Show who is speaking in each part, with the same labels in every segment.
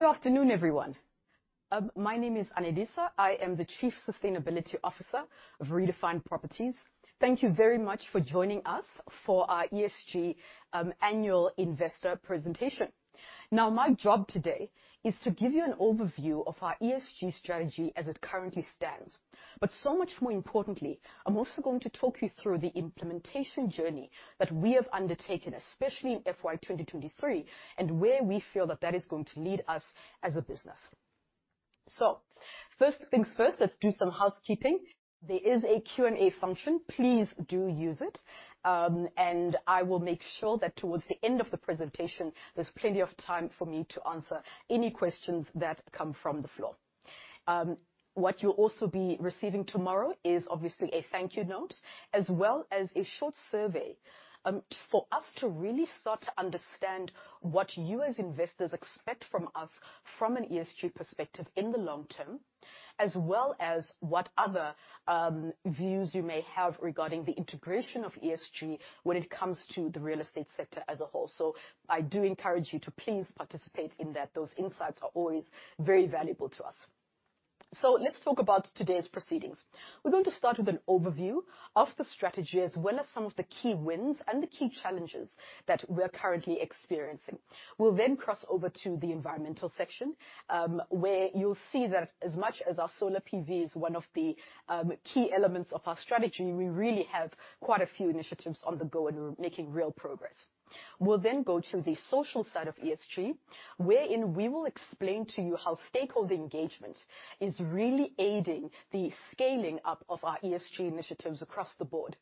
Speaker 1: Good afternoon, everyone. My name is Anelisa. I am the Chief Sustainability Officer of Redefine Properties. Thank you very much for joining us for our ESG annual investor presentation. Now, my job today is to give you an overview of our ESG strategy as it currently stands. So much more importantly, I'm also going to talk you through the implementation journey that we have undertaken, especially in FY 2023, and where we feel that is going to lead us as a business. First things first, let's do some housekeeping. There is a Q&A function. Please do use it, and I will make sure that towards the end of the presentation, there's plenty of time for me to answer any questions that come from the floor. What you'll also be receiving tomorrow is obviously a thank you note, as well as a short survey, for us to really start to understand what you as investors expect from us from an ESG perspective in the long-term, as well as what other views you may have regarding the integration of ESG when it comes to the real estate sector as a whole. I do encourage you to please participate in that. Those insights are always very valuable to us. Let's talk about today's proceedings. We're going to start with an overview of the strategy as well as some of the key wins and the key challenges that we're currently experiencing. We'll then cross over to the environmental section, where you'll see that as much as our solar PV is one of the, key elements of our strategy, we really have quite a few initiatives on the go, and we're making real progress. We'll then go to the social side of ESG, wherein we will explain to you how stakeholder engagement is really aiding the scaling up of our ESG initiatives across the board.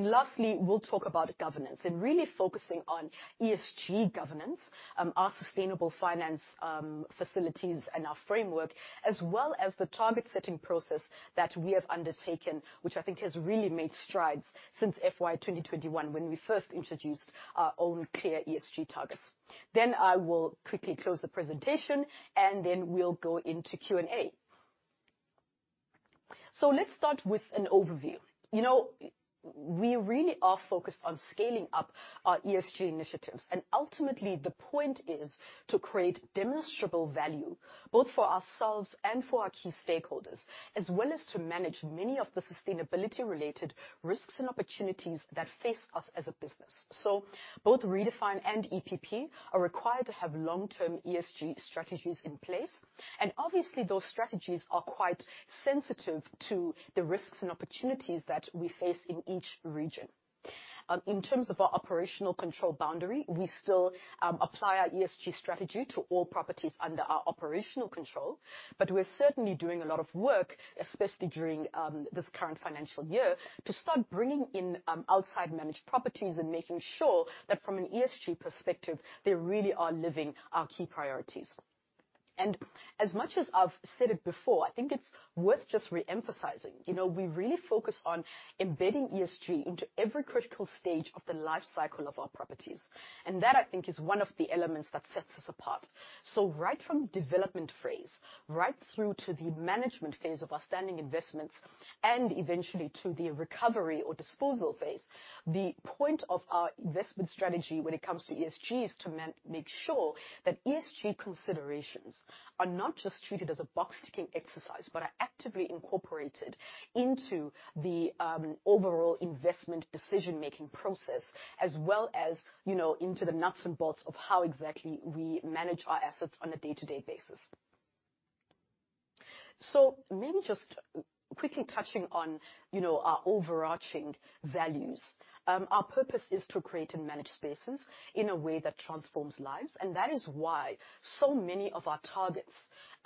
Speaker 1: Lastly, we'll talk about governance and really focusing on ESG governance, our sustainable finance, facilities and our framework, as well as the target-setting process that we have undertaken, which I think has really made strides since FY 2021 when we first introduced our own clear ESG targets. I will quickly close the presentation, and then we'll go into Q&A. Let's start with an overview. We really are focused on scaling up our ESG initiatives, and ultimately the point is to create demonstrable value both for ourselves and for our key stakeholders, as well as to manage many of the sustainability-related risks and opportunities that face us as a business. Both Redefine and EPP are required to have long-term ESG strategies in place. Obviously, those strategies are quite sensitive to the risks and opportunities that we face in each region. In terms of our operational control boundary, we still apply our ESG strategy to all properties under our operational control, but we're certainly doing a lot of work, especially during this current financial year, to start bringing in outside managed properties and making sure that from an ESG perspective, they really are living our key priorities. As much as I've said it before, I think it's worth just re-emphasizing. We really focus on embedding ESG into every critical stage of the life cycle of our properties, and that, I think, is one of the elements that sets us apart. Right from development phase, right through to the management phase of our standing investments, and eventually to the recovery or disposal phase, the point of our investment strategy when it comes to ESG is to make sure that ESG considerations are not just treated as a box-ticking exercise but are actively incorporated into the overall investment decision-making process as well as into the nuts and bolts of how exactly we manage our assets on a day-to-day basis. Maybe just quickly touching on our overarching values. Our purpose is to create and manage spaces in a way that transforms lives, and that is why so many of our targets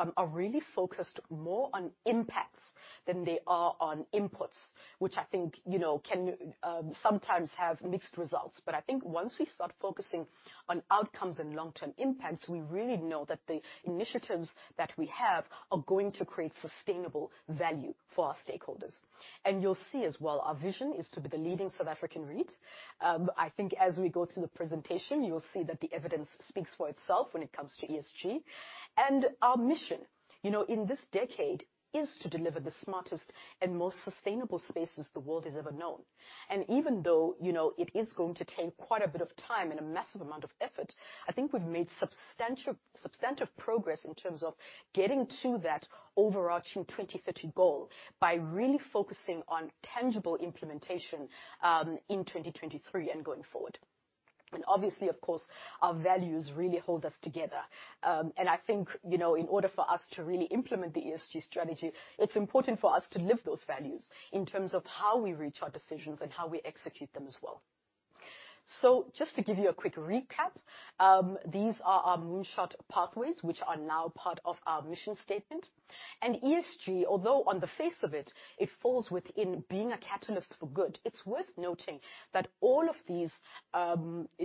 Speaker 1: are really focused more on impacts than they are on inputs, which I think can sometimes have mixed results. I think once we start focusing on outcomes and long-term impacts, we really know that the initiatives that we have are going to create sustainable value for our stakeholders. You'll see as well, our vision is to be the leading South African REIT. I think as we go through the presentation, you'll see that the evidence speaks for itself when it comes to ESG. Our mission in this decade is to deliver the smartest and most sustainable spaces the world has ever known. Even though it is going to take quite a bit of time and a massive amount of effort, I think we've made substantive progress in terms of getting to that overarching 2030 goal by really focusing on tangible implementation in 2023 and going forward. Obviously, of course, our values really hold us together. I think in order for us to really implement the ESG strategy, it's important for us to live those values in terms of how we reach our decisions and how we execute them as well. Just to give you a quick recap, these are our Moonshot pathways, which are now part of our mission statement. ESG, although on the face of it falls within being a catalyst for good, it's worth noting that all of these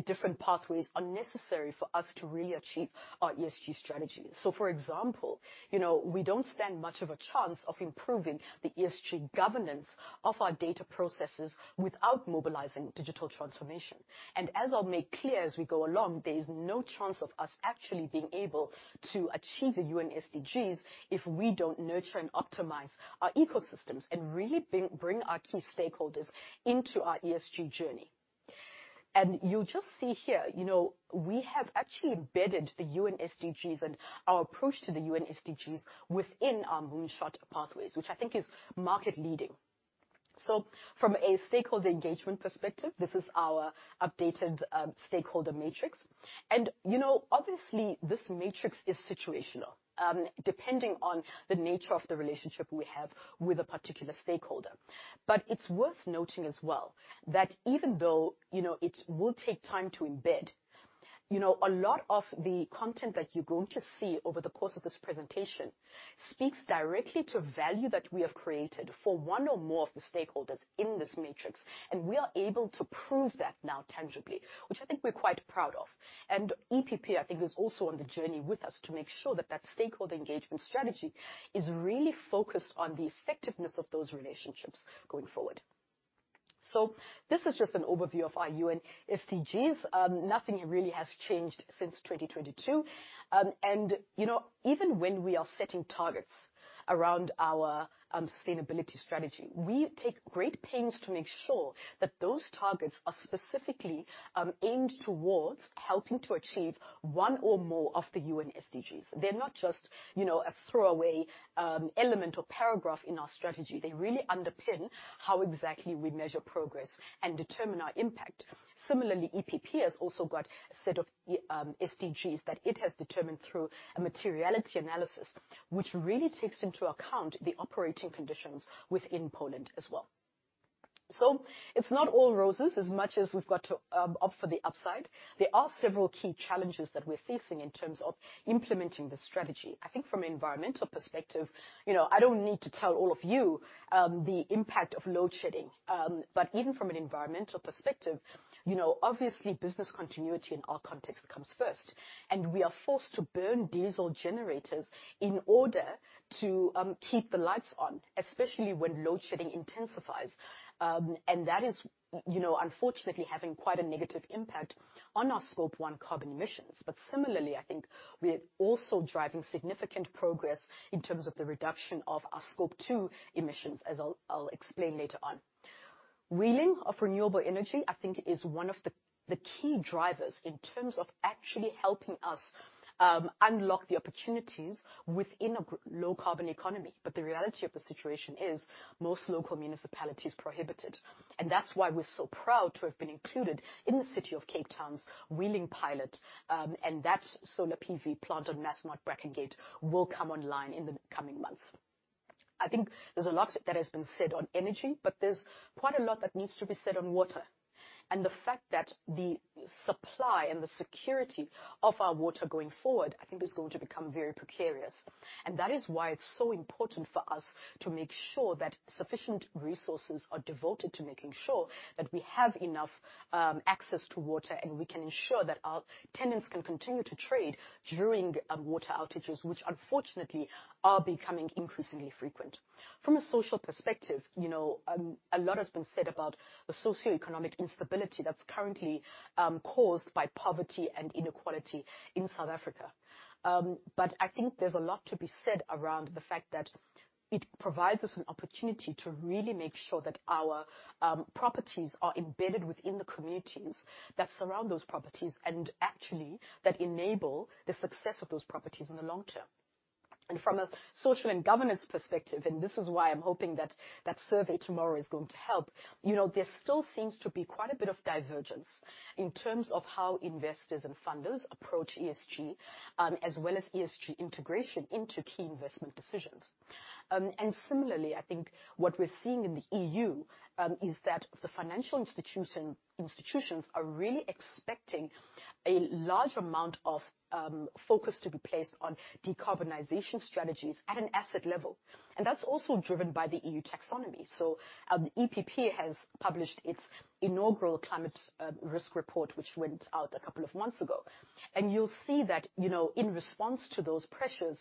Speaker 1: different pathways are necessary for us to really achieve our ESG strategy. For example, we don't stand much of a chance of improving the ESG governance of our data processes without mobilizing digital transformation. As I'll make clear as we go along, there is no chance of us actually being able to achieve the UN SDGs if we don't nurture and optimize our ecosystems and really bring our key stakeholders into our ESG journey. You'll just see here, we have actually embedded the UN SDGs and our approach to the UN SDGs within our Moonshot pathways, which I think is market leading. From a stakeholder engagement perspective, this is our updated stakeholder matrix. Obviously, this matrix is situational, depending on the nature of the relationship we have with a particular stakeholder. It's worth noting as well that even though it will take time to embed. A lot of the content that you're going to see over the course of this presentation speaks directly to value that we have created for one or more of the stakeholders in this matrix, and we are able to prove that now tangibly, which I think we're quite proud of. EPP, I think, is also on the journey with us to make sure that that stakeholder engagement strategy is really focused on the effectiveness of those relationships going forward. This is just an overview of our UN SDGs. Nothing really has changed since 2022. Even when we are setting targets around our sustainability strategy, we take great pains to make sure that those targets are specifically aimed towards helping to achieve one or more of the UN SDGs. They're not just a throwaway element or paragraph in our strategy. They really underpin how exactly we measure progress and determine our impact. Similarly, EPP has also got a set of SDGs that it has determined through a materiality analysis, which really takes into account the operating conditions within Poland as well. It's not all roses. As much as we've got to opt for the upside, there are several key challenges that we're facing in terms of implementing the strategy. I think from an environmental perspective. I don't need to tell all of you the impact of load shedding. Even from an environmental perspective, obviously business continuity in our context comes first, and we are forced to burn diesel generators in order to keep the lights on, especially when load shedding intensifies. That is unfortunately having quite a negative impact on our Scope 1 carbon emissions. Similarly, I think we are also driving significant progress in terms of the reduction of our Scope 2 emissions, as I'll explain later on. Wheeling of renewable energy, I think, is one of the key drivers in terms of actually helping us unlock the opportunities within a low carbon economy. The reality of the situation is most local municipalities prohibit it, and that's why we're so proud to have been included in the City of Cape Town's Wheeling Pilot, and that solar PV plant on Massmart Brackengate will come online in the coming months. I think there's a lot that has been said on energy, but there's quite a lot that needs to be said on water, and the fact that the supply and the security of our water going forward, I think is going to become very precarious. That is why it's so important for us to make sure that sufficient resources are devoted to making sure that we have enough access to water, and we can ensure that our tenants can continue to trade during water outages, which unfortunately are becoming increasingly frequent. From a social perspective, a lot has been said about the socioeconomic instability that's currently caused by poverty and inequality in South Africa. I think there's a lot to be said around the fact that it provides us an opportunity to really make sure that our properties are embedded within the communities that surround those properties and actually that enable the success of those properties in the long-term. From a social and governance perspective, and this is why I'm hoping that that survey tomorrow is going to help. There still seems to be quite a bit of divergence in terms of how investors and funders approach ESG, as well as ESG integration into key investment decisions. Similarly, I think what we're seeing in the EU is that the financial institutions are really expecting a large amount of focus to be placed on decarbonization strategies at an asset level, and that's also driven by the EU Taxonomy. EPP has published its inaugural climate risk report, which went out a couple of months ago. You'll see that, in response to those pressures.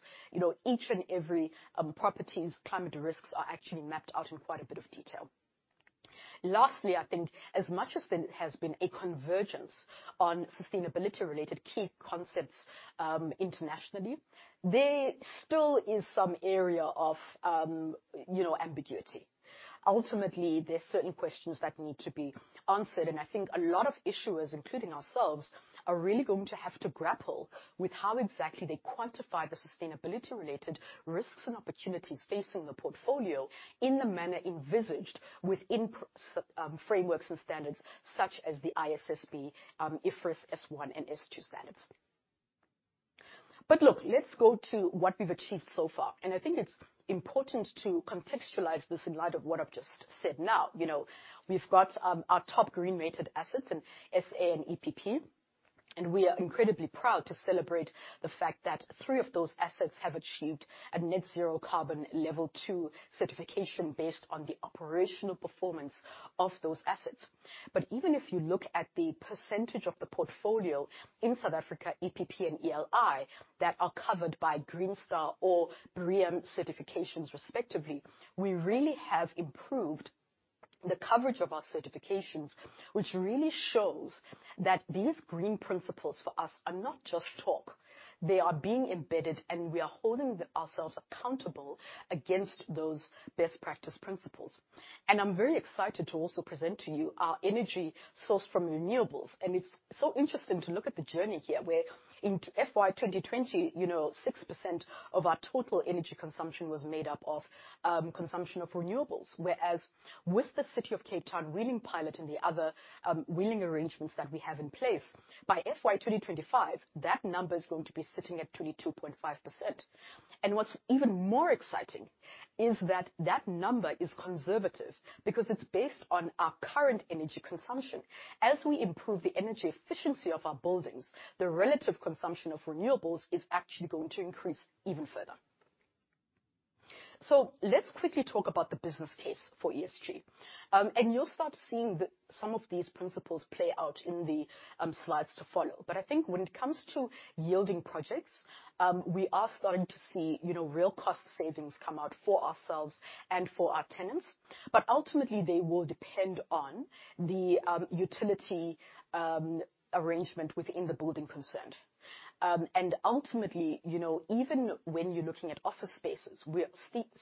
Speaker 1: Each and every property's climate risks are actually mapped out in quite a bit of detail. Lastly, I think as much as there has been a convergence on sustainability-related key concepts internationally, there still is some area of ambiguity. Ultimately, there's certain questions that need to be answered, and I think a lot of issuers, including ourselves, are really going to have to grapple with how exactly they quantify the sustainability-related risks and opportunities facing the portfolio in the manner envisaged within frameworks and standards such as the ISSB, IFRS S1 and S2 standards. Look, let's go to what we've achieved so far, and I think it's important to contextualize this in light of what I've just said now. We've got our top green-rated assets in SA and EPP, and we are incredibly proud to celebrate the fact that three of those assets have achieved a Net Zero Carbon Level 2 certification based on the operational performance of those assets. Even if you look at the percentage of the portfolio in South Africa, EPP and ELI, that are covered by Green Star or BREEAM certifications respectively, we really have improved the coverage of our certifications, which really shows that these green principles for us are not just talk. They are being embedded, and we are holding ourselves accountable against those best practice principles. I'm very excited to also present to you our energy sourced from renewables. It's so interesting to look at the journey here, where in FY 2020, 6% of our total energy consumption was made up of consumption of renewables, whereas with the City of Cape Town wheeling pilot and the other wheeling arrangements that we have in place, by FY 2025, that number is going to be sitting at 22.5%. What's even more exciting is that that number is conservative because it's based on our current energy consumption. As we improve the energy efficiency of our buildings, the relative consumption of renewables is actually going to increase even further. Let's quickly talk about the business case for ESG, and you'll start seeing some of these principles play out in the slides to follow. I think when it comes to yielding projects, we are starting to see real cost savings come out for ourselves and for our tenants. Ultimately, they will depend on the utility arrangement within the building concerned. Ultimately, even when you're looking at office spaces, we are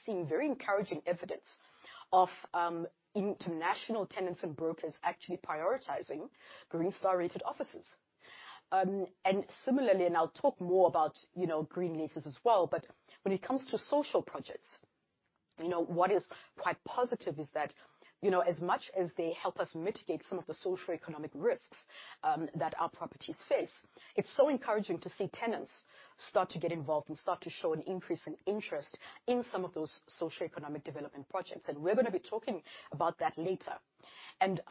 Speaker 1: seeing very encouraging evidence of international tenants and brokers actually prioritizing Green Star rated offices. Similarly, I'll talk more about green leases as well, but when it comes to social projects, what is quite positive is that as much as they help us mitigate some of the socioeconomic risks that our properties face, it's so encouraging to see tenants start to get involved and start to show an increase in interest in some of those socioeconomic development projects. We're gonna be talking about that later.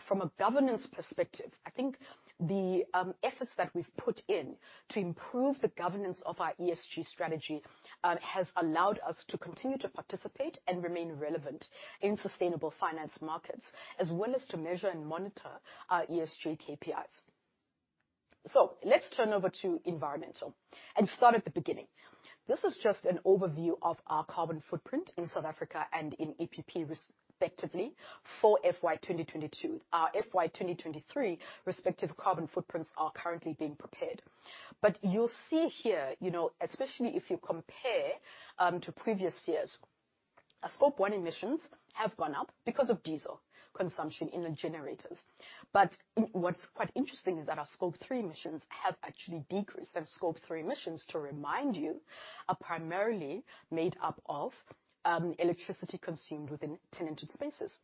Speaker 1: From a governance perspective, I think the efforts that we've put in to improve the governance of our ESG strategy has allowed us to continue to participate and remain relevant in sustainable finance markets, as well as to measure and monitor our ESG KPIs. Let's turn over to environmental and start at the beginning. This is just an overview of our carbon footprint in South Africa and in EPP respectively for FY 2022. Our FY 2023 respective carbon footprints are currently being prepared. You'll see here, especially if you compare to previous years, our Scope 1 emissions have gone up because of diesel consumption in the generators. What's quite interesting is that our Scope 3 emissions have actually decreased. Scope 3 emissions, to remind you, are primarily made up of electricity consumed within tenanted spaces.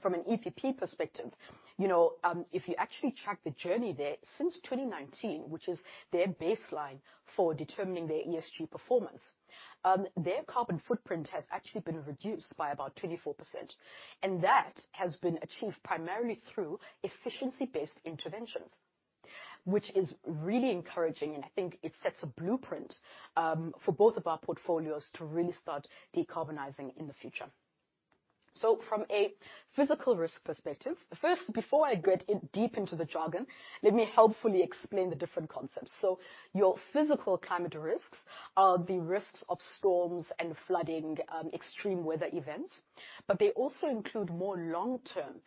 Speaker 1: From an EPP perspective, if you actually track the journey there since 2019, which is their baseline for determining their ESG performance, their carbon footprint has actually been reduced by about 24%, and that has been achieved primarily through efficiency-based interventions, which is really encouraging, and I think it sets a blueprint, for both of our portfolios to really start decarbonizing in the future. From a physical risk perspective, first, before I get in deep into the jargon, let me helpfully explain the different concepts. Your physical climate risks are the risks of storms and flooding, extreme weather events, but they also include more long-term,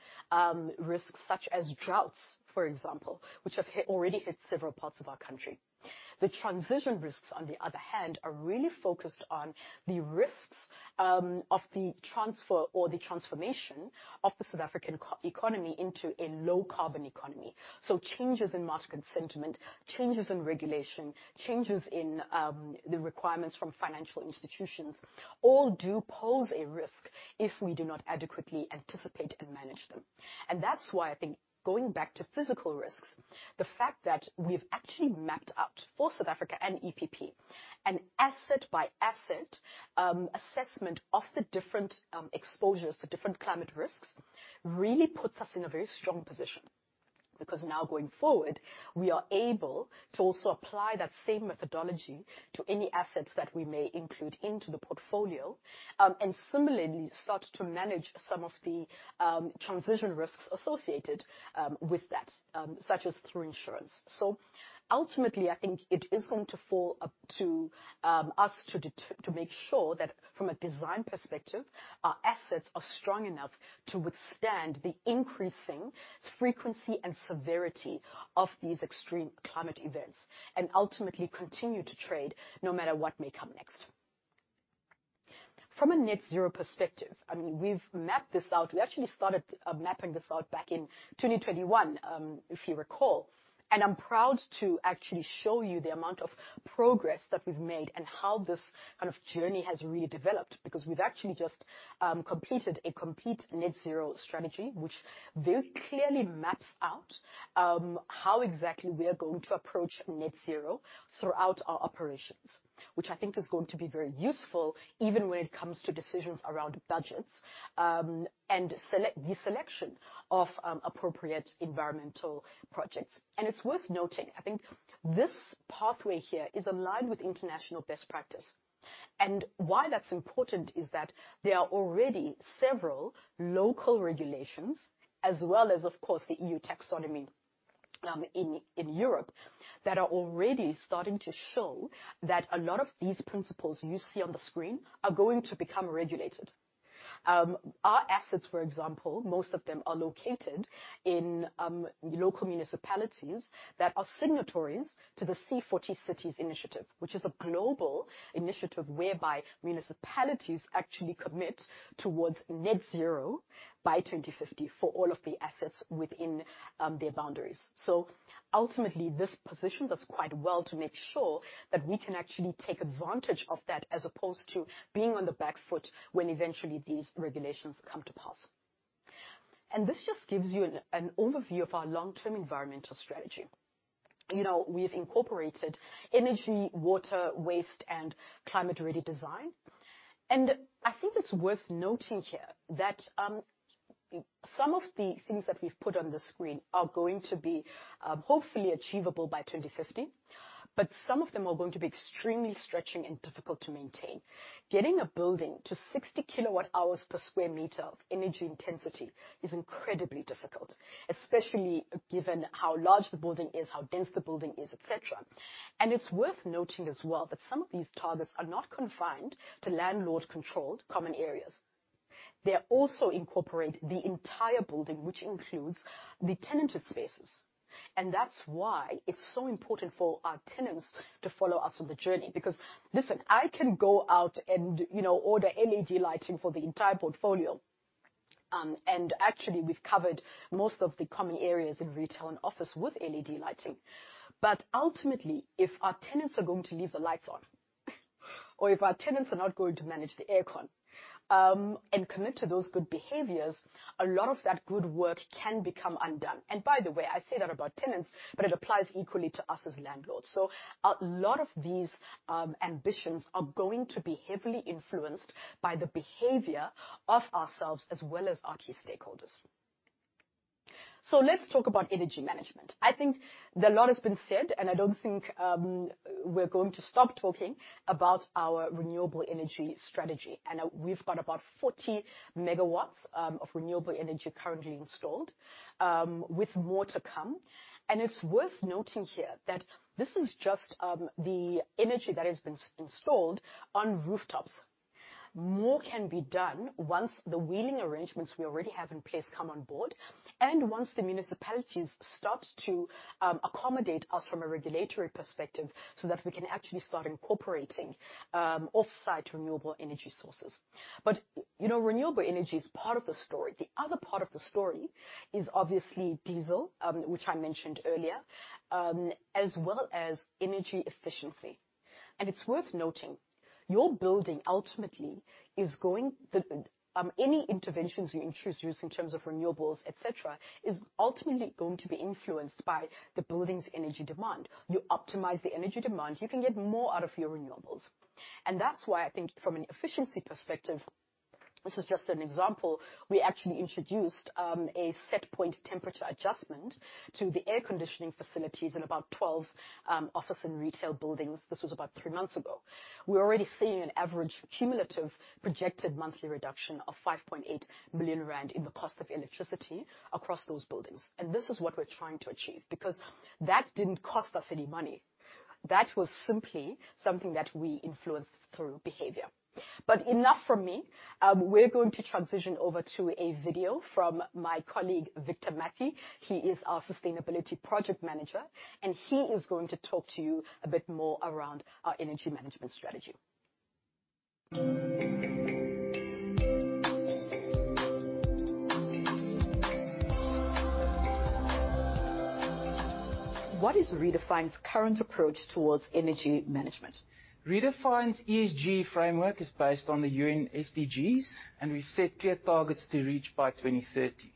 Speaker 1: risks such as droughts, for example, which have already hit several parts of our country. The transition risks, on the other hand, are really focused on the risks of the transfer or the transformation of the South African economy into a low carbon economy. Changes in market sentiment, changes in regulation, changes in the requirements from financial institutions all do pose a risk if we do not adequately anticipate and manage them. That's why I think going back to physical risks, the fact that we've actually mapped out for South Africa and EPP an asset by asset assessment of the different exposures, the different climate risks, really puts us in a very strong position, because now going forward, we are able to also apply that same methodology to any assets that we may include into the portfolio, and similarly start to manage some of the transition risks associated with that, such as through insurance. Ultimately, I think it is going to fall upon us to make sure that from a design perspective, our assets are strong enough to withstand the increasing frequency and severity of these extreme climate events and ultimately continue to trade no matter what may come next. From a net zero perspective, I mean, we've mapped this out. We actually started mapping this out back in 2021, if you recall. I'm proud to actually show you the amount of progress that we've made and how this kind of journey has really developed, because we've actually just completed a complete net zero strategy, which very clearly maps out how exactly we are going to approach net zero throughout our operations, which I think is going to be very useful, even when it comes to decisions around budgets and the selection of appropriate environmental projects. It's worth noting, I think this pathway here is aligned with international best practice. Why that's important is that there are already several local regulations as well as, of course, the EU Taxonomy in Europe that are already starting to show that a lot of these principles you see on the screen are going to become regulated. Our assets, for example, most of them are located in local municipalities that are signatories to the C40 Cities initiative, which is a global initiative whereby municipalities actually commit towards net zero by 2050 for all of the assets within their boundaries. Ultimately, this positions us quite well to make sure that we can actually take advantage of that as opposed to being on the back foot when eventually these regulations come to pass. This just gives you an overview of our long-term environmental strategy. We've incorporated energy, water, waste, and climate-ready design. I think it's worth noting here that some of the things that we've put on the screen are going to be hopefully achievable by 2050, but some of them are going to be extremely stretching and difficult to maintain. Getting a building to 60 kWh per sq m of energy intensity is incredibly difficult, especially given how large the building is, how dense the building is, et cetera. It's worth noting as well that some of these targets are not confined to landlord-controlled common areas. They also incorporate the entire building, which includes the tenanted spaces. That's why it's so important for our tenants to follow us on the journey, because listen, I can go out and order LED lighting for the entire portfolio. And actually we've covered most of the common areas in retail and office with LED lighting. But ultimately, if our tenants are going to leave the lights on or if our tenants are not going to manage the air con, and commit to those good behaviors, a lot of that good work can become undone. By the way, I say that about tenants, but it applies equally to us as landlords. A lot of these ambitions are going to be heavily influenced by the behavior of ourselves as well as our key stakeholders. Let's talk about energy management. I think a lot has been said, and I don't think we're going to stop talking about our renewable energy strategy. We've got about 40 MW of renewable energy currently installed with more to come. It's worth noting here that this is just the energy that has been installed on rooftops. More can be done once the wheeling arrangements we already have in place come on board, and once the municipalities start to accommodate us from a regulatory perspective so that we can actually start incorporating offsite renewable energy sources. Renewable energy is part of the story. The other part of the story is obviously diesel, which I mentioned earlier, as well as energy efficiency. It's worth noting any interventions you choose to use in terms of renewables, et cetera, is ultimately going to be influenced by the building's energy demand. You optimize the energy demand, you can get more out of your renewables. That's why I think from an efficiency perspective, this is just an example, we actually introduced a set point temperature adjustment to the air conditioning facilities in about 12 office and retail buildings. This was about three months ago. We're already seeing an average cumulative projected monthly reduction of 5.8 million rand in the cost of electricity across those buildings. This is what we're trying to achieve, because that didn't cost us any money. That was simply something that we influenced through behavior. Enough from me. We're going to transition over to a video from my colleague, Victor Matthey. He is our Sustainability Project Manager, and he is going to talk to you a bit more around our energy management strategy. What is Redefine's current approach towards energy management?
Speaker 2: Redefine's ESG framework is based on the UN SDGs, and we've set clear targets to reach by 2030.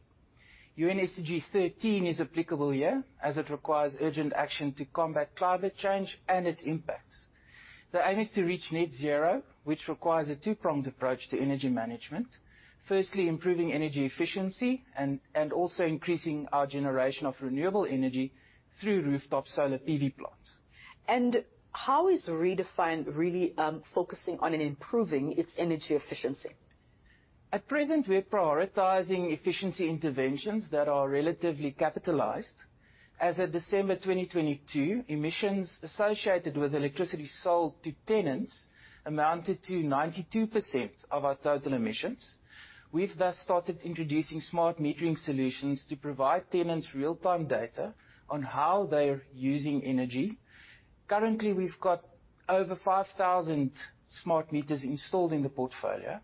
Speaker 2: UN SDG 13 is applicable here as it requires urgent action to combat climate change and its impacts. The aim is to reach net zero, which requires a two-pronged approach to energy management. Firstly, improving energy efficiency and also increasing our generation of renewable energy through rooftop solar PV plant.
Speaker 1: How is Redefine really focusing on and improving its energy efficiency?
Speaker 2: At present, we're prioritizing efficiency interventions that are relatively capitalized. As at December 2022, emissions associated with electricity sold to tenants amounted to 92% of our total emissions. We've thus started introducing smart metering solutions to provide tenants real-time data on how they're using energy. Currently, we've got over 5,000 smart meters installed in the portfolio,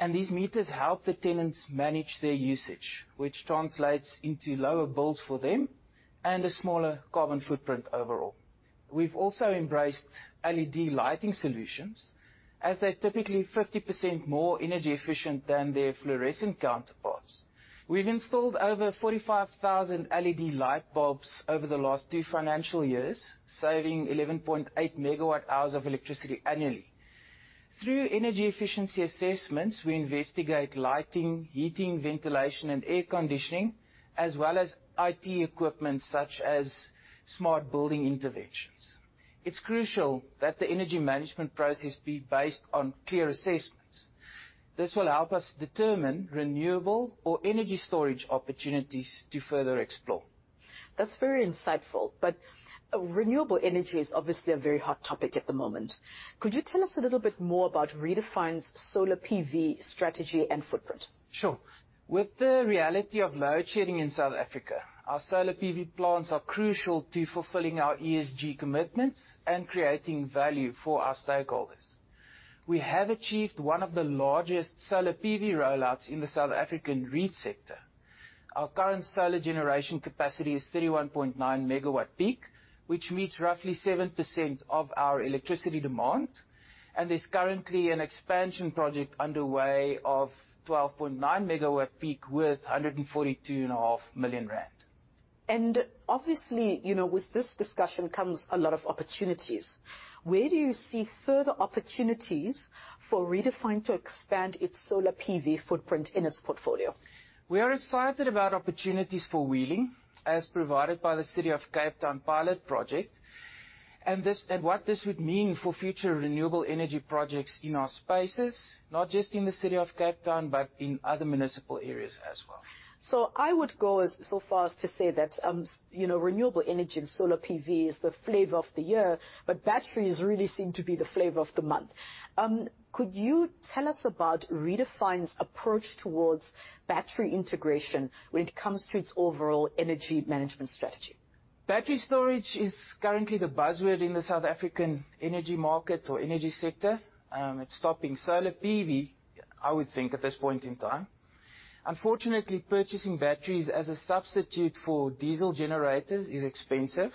Speaker 2: and these meters help the tenants manage their usage, which translates into lower bills for them and a smaller carbon footprint overall. We've also embraced LED lighting solutions as they're typically 50% more energy efficient than their fluorescent counterparts. We've installed over 45,000 LED light bulbs over the last two financial years, saving 11.8 MWh of electricity annually. Through energy efficiency assessments, we investigate lighting, heating, ventilation, and air conditioning, as well as IT equipment such as smart building intervention. It's crucial that the energy management process be based on clear assessments. This will help us determine renewable or energy storage opportunities to further explore.
Speaker 1: That's very insightful, but renewable energy is obviously a very hot topic at the moment. Could you tell us a little bit more about Redefine's solar PV strategy and footprint?
Speaker 2: Sure. With the reality of load shedding in South Africa, our solar PV plants are crucial to fulfilling our ESG commitments and creating value for our stakeholders. We have achieved one of the largest solar PV rollouts in the South African REIT sector. Our current solar generation capacity is 31.9 MWp, which meets roughly 7% of our electricity demand, and there's currently an expansion project underway of 12.9 MWp worth 142.5 million rand.
Speaker 1: Obviously, with this discussion comes a lot of opportunities. Where do you see further opportunities for Redefine to expand its solar PV footprint in its portfolio?
Speaker 2: We are excited about opportunities for wheeling as provided by the City of Cape Town pilot project. What this would mean for future renewable energy projects in our spaces, not just in the City of Cape Town, but in other municipal areas as well.
Speaker 1: I would go so far as to say that renewable energy and solar PV is the flavor of the year, but batteries really seem to be the flavor of the month. Could you tell us about Redefine's approach towards battery integration when it comes to its overall energy management strategy?
Speaker 2: Battery storage is currently the buzzword in the South African energy market or energy sector. It's atop solar PV, I would think, at this point in time. Unfortunately, purchasing batteries as a substitute for diesel generators is expensive,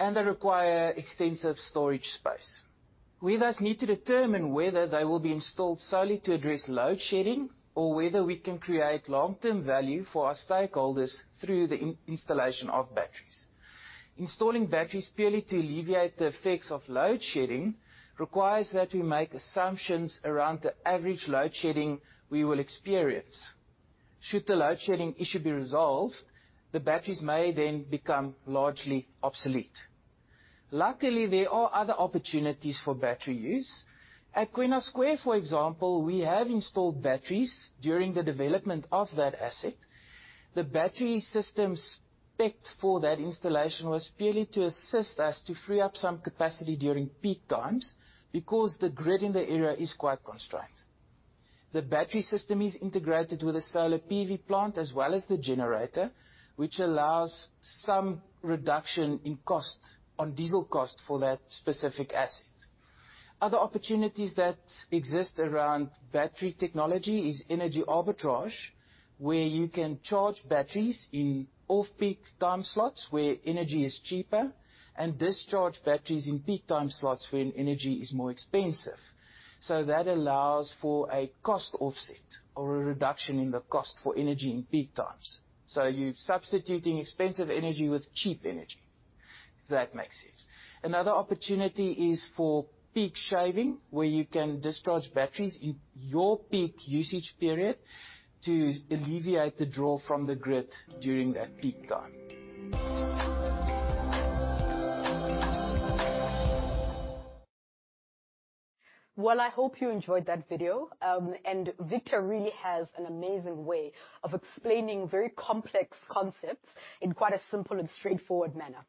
Speaker 2: and they require extensive storage space. We thus need to determine whether they will be installed solely to address load shedding, or whether we can create long-term value for our stakeholders through the in-installation of batteries. Installing batteries purely to alleviate the effects of load shedding requires that we make assumptions around the average load shedding we will experience. Should the load shedding issue be resolved, the batteries may then become largely obsolete. Luckily, there are other opportunities for battery use. At Kwena Square, for example, we have installed batteries during the development of that asset. The battery systems spec'd for that installation was purely to assist us to free up some capacity during peak times, because the grid in the area is quite constrained. The battery system is integrated with a solar PV plant as well as the generator, which allows some reduction in cost on diesel cost for that specific asset. Other opportunities that exist around battery technology is energy arbitrage, where you can charge batteries in off-peak time slots, where energy is cheaper, and discharge batteries in peak time slots when energy is more expensive. That allows for a cost offset or a reduction in the cost for energy in peak times. You're substituting expensive energy with cheap energy, if that makes sense. Another opportunity is for peak shaving, where you can discharge batteries in your peak usage period to alleviate the draw from the grid during that peak time.
Speaker 1: Well, I hope you enjoyed that video. Victor really has an amazing way of explaining very complex concepts in quite a simple and straightforward manner.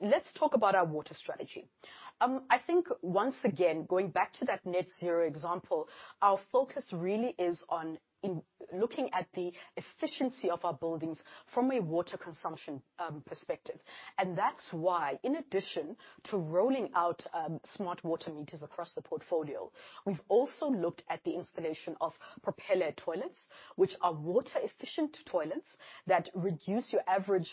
Speaker 1: Let's talk about our water strategy. I think, once again, going back to that net zero example, our focus really is on looking at the efficiency of our buildings from a water consumption perspective. That's why, in addition to rolling out smart water meters across the portfolio, we've also looked at the installation of Propelair toilets, which are water-efficient toilets that reduce your average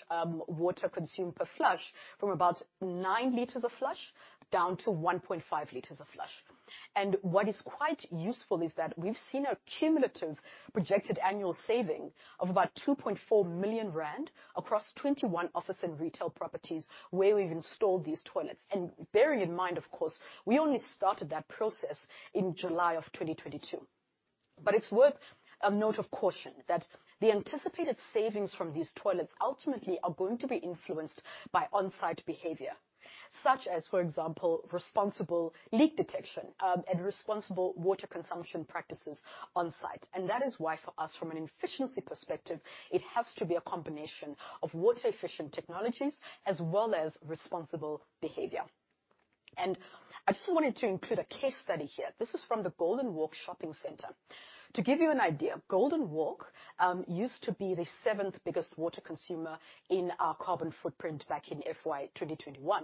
Speaker 1: water consumed per flush from about 9 liters a flush down to 1.5 liters a flush. What is quite useful is that we've seen a cumulative projected annual saving of about 2.4 million rand across 21 office and retail properties where we've installed these toilets. Bearing in mind, of course, we only started that process in July of 2022. It's worth a note of caution that the anticipated savings from these toilets ultimately are going to be influenced by on-site behavior, such as, for example, responsible leak detection, and responsible water consumption practices on site. That is why for us, from an efficiency perspective, it has to be a combination of water-efficient technologies as well as responsible behavior. I just wanted to include a case study here. This is from the Golden Walk Shopping Center. To give you an idea, Golden Walk used to be the seventh biggest water consumer in our carbon footprint back in FY 2021.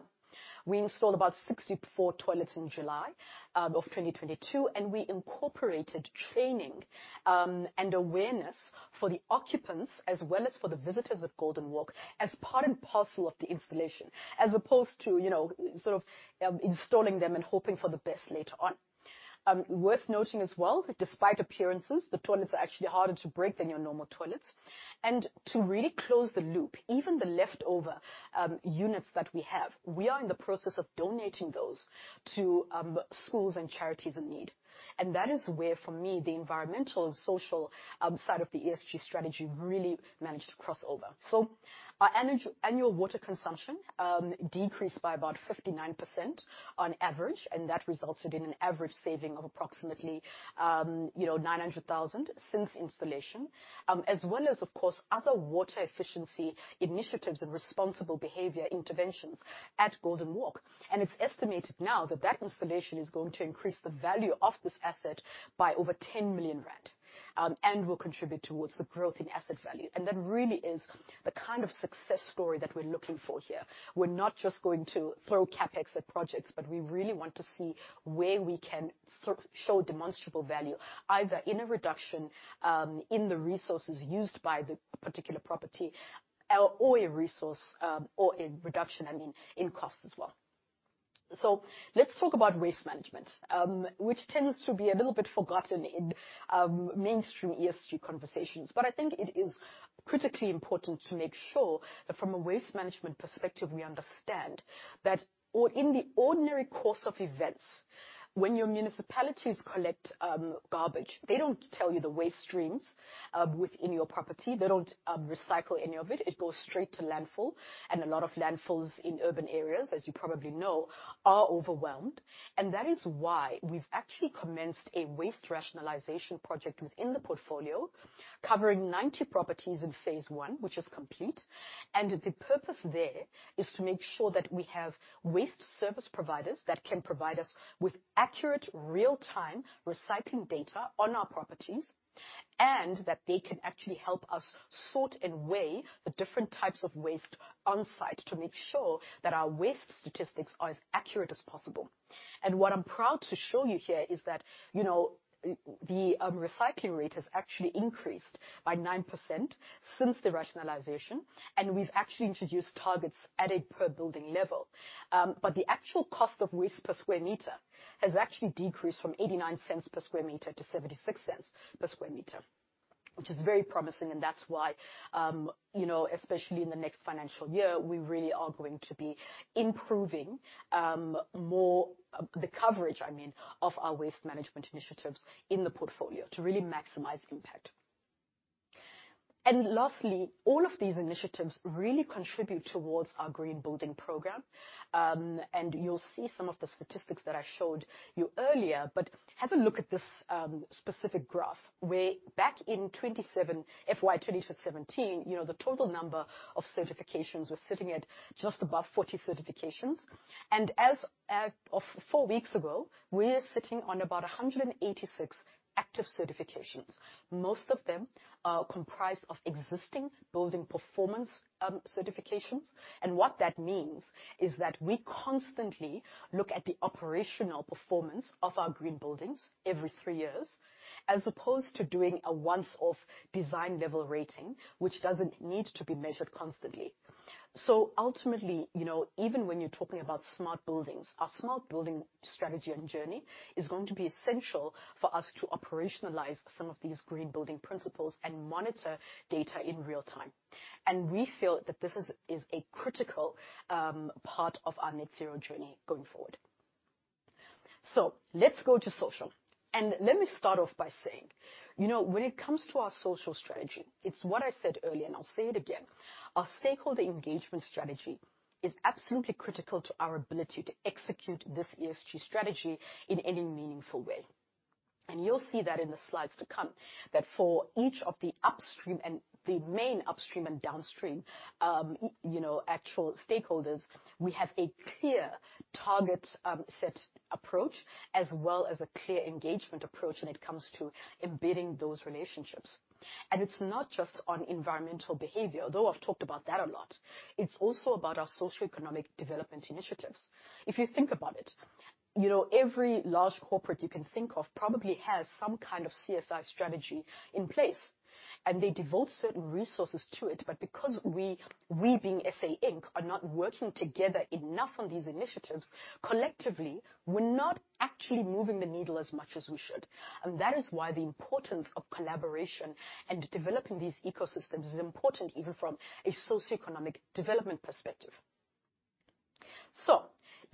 Speaker 1: We installed about 64 toilets in July of 2022, and we incorporated training and awareness for the occupants as well as for the visitors at Golden Walk as part and parcel of the installation, as opposed to sort of, installing them and hoping for the best later on. Worth noting as well, despite appearances, the toilets are actually harder to break than your normal toilets. To really close the loop, even the leftover units that we have, we are in the process of donating those to schools and charities in need. That is where, for me, the environmental and social side of the ESG strategy really managed to cross over. Our annual water consumption decreased by about 59% on average, and that resulted in an average saving of approximately 900,000 since installation, as well as, of course, other water efficiency initiatives and responsible behavior interventions at Golden Walk. It's estimated now that that installation is going to increase the value of this asset by over 10 million rand and will contribute towards the growth in asset value. That really is the kind of success story that we're looking for here. We're not just going to throw CapEx at projects, but we really want to see where we can sort of show demonstrable value, either in a reduction in the resources used by the particular property or a resource or a reduction, I mean, in cost as well. Let's talk about waste management, which tends to be a little bit forgotten in mainstream ESG conversations, but I think it is critically important to make sure that from a waste management perspective, we understand that or in the ordinary course of events, when your municipalities collect garbage, they don't tell you the waste streams within your property. They don't recycle any of it. It goes straight to landfill. A lot of landfills in urban areas, as you probably know, are overwhelmed. That is why we've actually commenced a waste rationalization project within the portfolio covering 90 properties in phase one, which is complete. The purpose there is to make sure that we have waste service providers that can provide us with accurate real-time recycling data on our properties, and that they can actually help us sort and weigh the different types of waste on-site to make sure that our waste statistics are as accurate as possible. What I'm proud to show you here is that the recycling rate has actually increased by 9% since the rationalization, and we've actually introduced targets at a per building level. The actual cost of waste per sq m has actually decreased from 0.89 per sq m to 0.76 per sq m, which is very promising, and that's why, especially in the next financial year, we really are going to be improving, more the coverage, I mean, of our waste management initiatives in the portfolio to really maximize impact. Lastly, all of these initiatives really contribute towards our green building program. You'll see some of the statistics that I showed you earlier. Have a look at this, specific graph where back in FY 2014, the total number of certifications was sitting at just above 40 certifications. As at four weeks ago, we're sitting on about 186 active certifications. Most of them are comprised of existing building performance, certifications. What that means is that we constantly look at the operational performance of our green buildings every three years, as opposed to doing a once-off design level rating, which doesn't need to be measured constantly. Ultimately, even when you're talking about smart buildings, our smart building strategy and journey is going to be essential for us to operationalize some of these green building principles and monitor data in real time. We feel that this is a critical part of our net zero journey going forward. Let's go to social. Let me start off by saying, when it comes to our social strategy, it's what I said earlier, and I'll say it again, our stakeholder engagement strategy is absolutely critical to our ability to execute this ESG strategy in any meaningful way. You'll see that in the slides to come, that for each of the upstream and downstream, actual stakeholders, we have a clear target set approach as well as a clear engagement approach when it comes to embedding those relationships. It's not just on environmental behavior, although I've talked about that a lot. It's also about our socioeconomic development initiatives. If you think about it, every large corporate you can think of probably has some kind of CSI strategy in place, and they devote certain resources to it. But because we being SA Inc, are not working together enough on these initiatives collectively, we're not actually moving the needle as much as we should. That is why the importance of collaboration and developing these ecosystems is important even from a socioeconomic development perspective.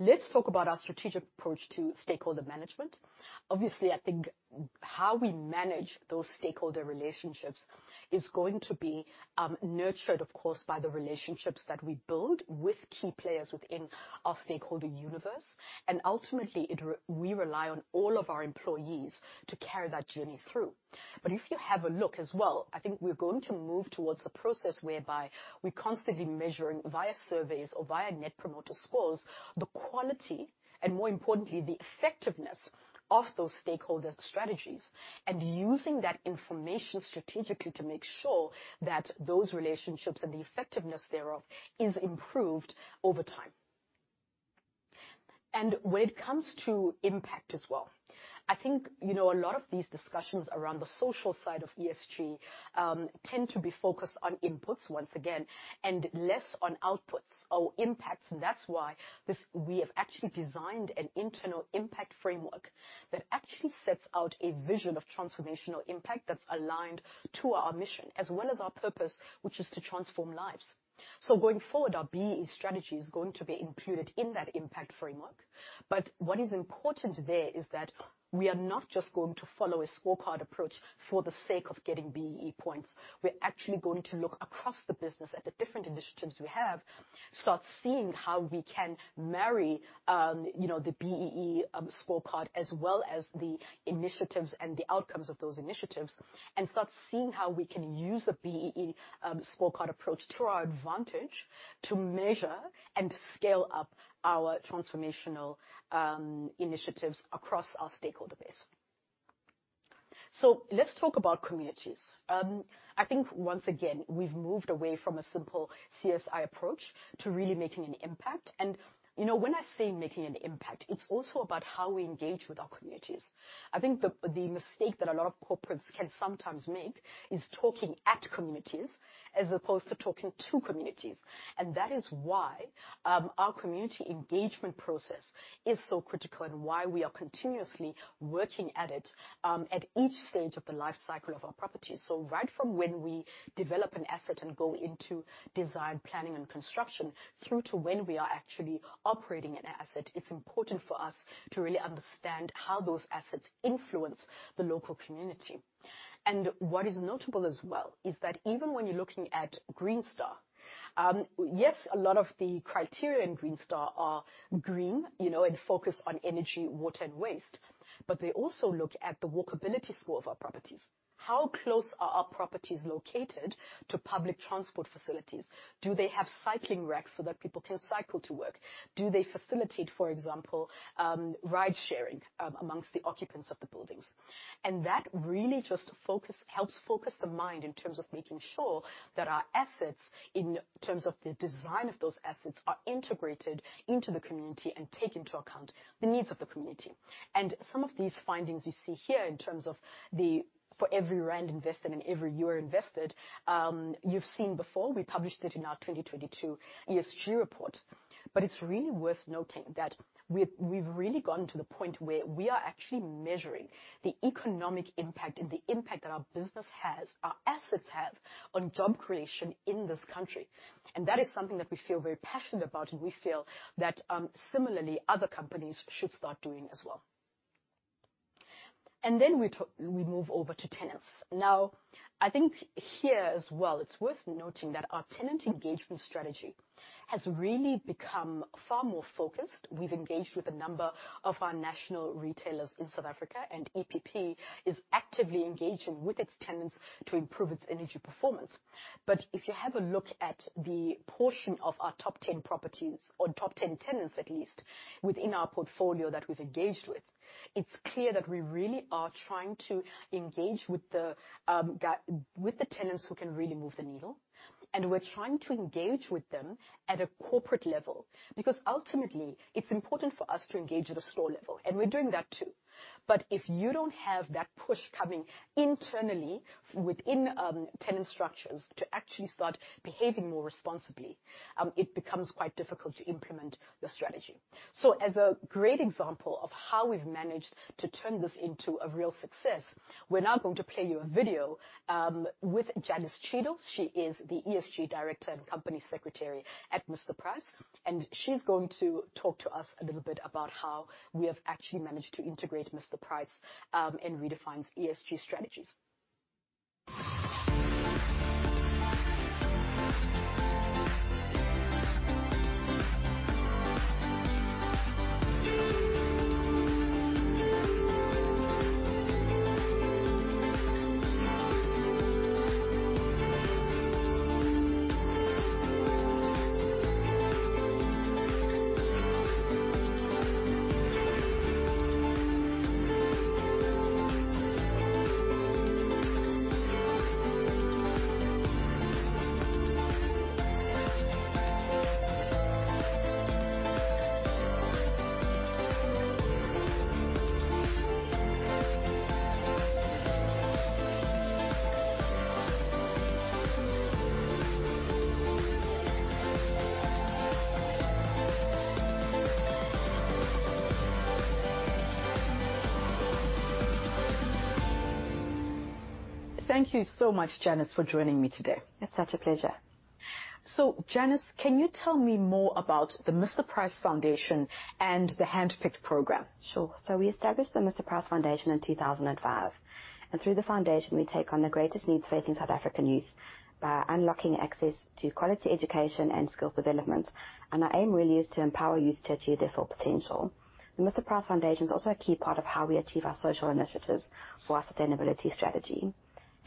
Speaker 1: Let's talk about our strategic approach to stakeholder management. Obviously, I think how we manage those stakeholder relationships is going to be nurtured, of course, by the relationships that we build with key players within our stakeholder universe. Ultimately, we rely on all of our employees to carry that journey through. If you have a look as well, I think we're going to move towards a process whereby we're constantly measuring via surveys or via Net Promoter Scores, the quality and more importantly, the effectiveness of those stakeholder strategies and using that information strategically to make sure that those relationships and the effectiveness thereof is improved over time. When it comes to impact as well, I thinka lot of these discussions around the social side of ESG tend to be focused on inputs once again, and less on outputs or impacts. That's why we have actually designed an internal impact framework that actually sets out a vision of transformational impact that's aligned to our mission as well as our purpose, which is to transform lives. Going forward, our BEE strategy is going to be included in that impact framework. What is important there is that we are not just going to follow a scorecard approach for the sake of getting BEE points. We're actually going to look across the business at the different initiatives we have, start seeing how we can marry the BEE scorecard, as well as the initiatives and the outcomes of those initiatives, and start seeing how we can use a BEE scorecard approach to our advantage to measure and scale up our transformational initiatives across our stakeholder base. Let's talk about communities. I think, once again, we've moved away from a simple CSI approach to really making an impact. When I say making an impact, it's also about how we engage with our communities. I think the mistake that a lot of corporates can sometimes make is talking at communities as opposed to talking to communities. that is why, our community engagement process is so critical and why we are continuously working at it, at each stage of the life cycle of our property. right from when we develop an asset and go into design, planning, and construction through to when we are actually operating an asset, it's important for us to really understand how those assets influence the local community. what is notable as well is that even when you're looking at Green Star, yes, a lot of the criteria in Green Star are green and focused on energy, water, and waste, but they also look at the walkability score of our properties. How close are our properties located to public transport facilities? Do they have cycling racks so that people can cycle to work? Do they facilitate, for example, ride-sharing among the occupants of the buildings? That really just helps focus the mind in terms of making sure that our assets in terms of the design of those assets are integrated into the community and take into account the needs of the community. Some of these findings you see here in terms of the for every rand invested and every euro invested, you've seen before. We published it in our 2022 ESG report. It's really worth noting that we've really gotten to the point where we are actually measuring the economic impact and the impact that our business has, our assets have on job creation in this country. That is something that we feel very passionate about, and we feel that similarly, other companies should start doing as well. Then we ta... We move over to tenants. Now, I think here as well, it's worth noting that our tenant engagement strategy has really become far more focused. We've engaged with a number of our national retailers in South Africa, and EPP is actively engaging with its tenants to improve its energy performance. If you have a look at the portion of our top 10 properties or top 10 tenants, at least, within our portfolio that we've engaged with, it's clear that we really are trying to engage with the tenants who can really move the needle, and we're trying to engage with them at a corporate level. Because ultimately, it's important for us to engage at a store level, and we're doing that too. If you don't have that push coming internally within tenant structures to actually start behaving more responsibly, it becomes quite difficult to implement the strategy. As a great example of how we've managed to turn this into a real success, we're now going to play you a video with Janis Cheadle. She is the ESG Director and Company Secretary at Mr Price, and she's going to talk to us a little bit about how we have actually managed to integrate Mr Price in Redefine’s ESG strategies. Thank you so much, Janis, for joining me today.
Speaker 3: It's such a pleasure.
Speaker 1: Janis, can you tell me more about the Mr Price Foundation and the HandPicked program?
Speaker 3: Sure. We established the Mr Price Foundation in 2005, and through the foundation, we take on the greatest needs facing South African youth by unlocking access to quality education and skills development, and our aim really is to empower youth to achieve their full potential. The Mr Price Foundation is also a key part of how we achieve our social initiatives for our sustainability strategy.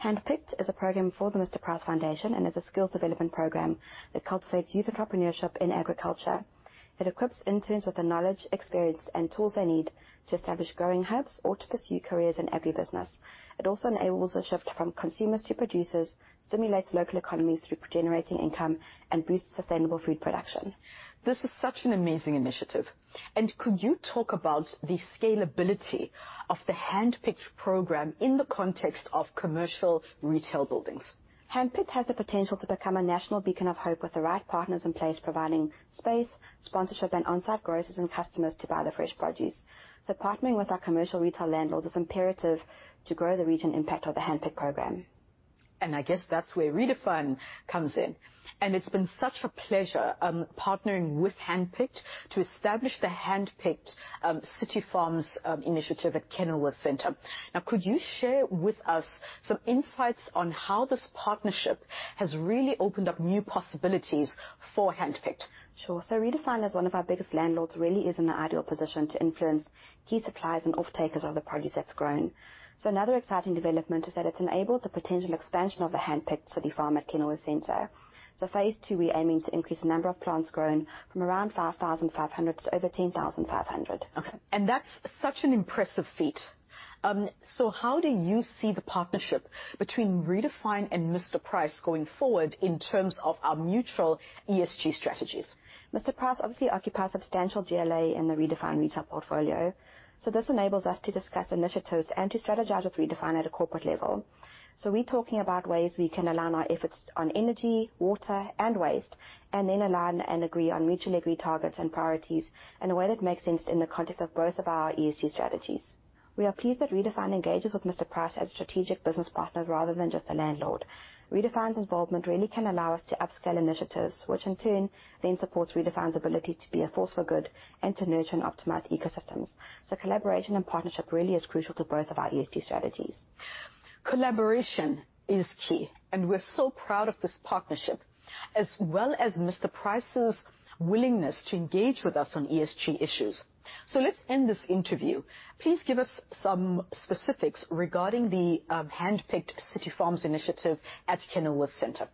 Speaker 3: HandPicked is a program for the Mr Price Foundation, and is a skills development program that cultivates youth entrepreneurship in agriculture. It equips interns with the knowledge, experience, and tools they need to establish growing hubs or to pursue careers in agribusiness. It also enables a shift from consumers to producers, stimulates local economies through generating income, and boosts sustainable food production.
Speaker 1: This is such an amazing initiative. Could you talk about the scalability of the HandPicked program in the context of commercial retail buildings?
Speaker 3: HandPicked has the potential to become a national beacon of hope with the right partners in place, providing space, sponsorship, and on-site grocers and customers to buy the fresh produce. Partnering with our commercial retail landlords is imperative to grow the reach and impact of the HandPicked program.
Speaker 1: I guess that's where Redefine comes in. It's been such a pleasure partnering with HandPicked to establish the HandPicked CityFarms initiative at Kenilworth Centre. Now, could you share with us some insights on how this partnership has really opened up new possibilities for HandPicked?
Speaker 3: Sure. Redefine as one of our biggest landlords really is in the ideal position to influence key suppliers and offtakers of the produce that's grown. Another exciting development is that it's enabled the potential expansion of the HandPicked CityFarm at Kenilworth Centre. Phase Two, we're aiming to increase the number of plants grown from around 5,500 to over 10,500.
Speaker 1: Okay. That's such an impressive feat. How do you see the partnership between Redefine and Mr Price going forward in terms of our mutual ESG strategies?
Speaker 3: Mr Price obviously occupies substantial GLA in the Redefine retail portfolio, so this enables us to discuss initiatives and to strategize with Redefine at a corporate level. We're talking about ways we can align our efforts on energy, water, and waste, and then align and agree on mutually agreed targets and priorities in a way that makes sense in the context of both of our ESG strategies. We are pleased that Redefine engages with Mr Price as strategic business partners rather than just a landlord. Redefine's involvement really can allow us to upscale initiatives, which in turn then supports Redefine's ability to be a force for good and to nurture and optimize ecosystems. Collaboration and partnership really is crucial to both of our ESG strategies.
Speaker 1: Collaboration is key, and we're so proud of this partnership, as well as Mr Price's willingness to engage with us on ESG issues. Let's end this interview. Please give us some specifics regarding the HandPicked CityFarms initiative at Kenilworth Centre.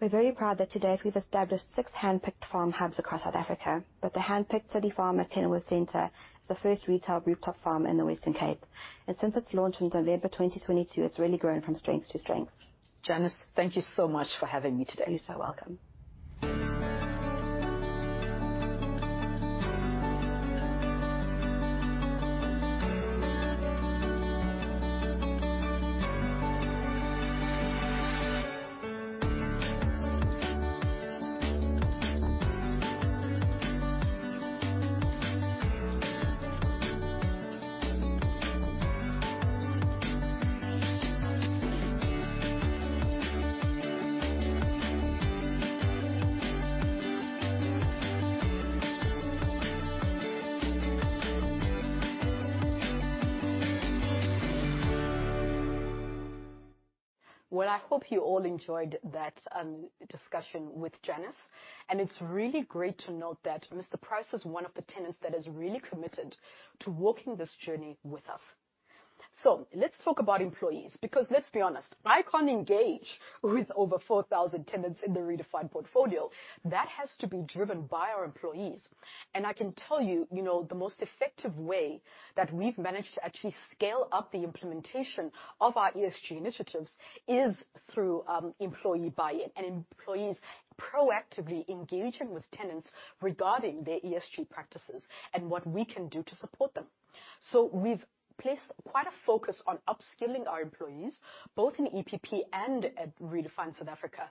Speaker 3: We're very proud that to date we've established six HandPicked farm hubs across South Africa, but the HandPicked CityFarm at Kenilworth Centre is the first retail rooftop farm in the Western Cape. Since its launch in November 2022, it's really grown from strength to strength.
Speaker 1: Janis, thank you so much for having me today.
Speaker 3: You're so welcome.
Speaker 1: Well, I hope you all enjoyed that discussion with Janis. It's really great to note that Mr Price is one of the tenants that is really committed to walking this journey with us. Let's talk about employees, because let's be honest, I can't engage with over 4,000 tenants in the Redefine portfolio. That has to be driven by our employees. I can tell you the most effective way that we've managed to actually scale up the implementation of our ESG initiatives is through employee buy-in and employees proactively engaging with tenants regarding their ESG practices and what we can do to support them. We've placed quite a focus on upskilling our employees, both in EPP and at Redefine South Africa,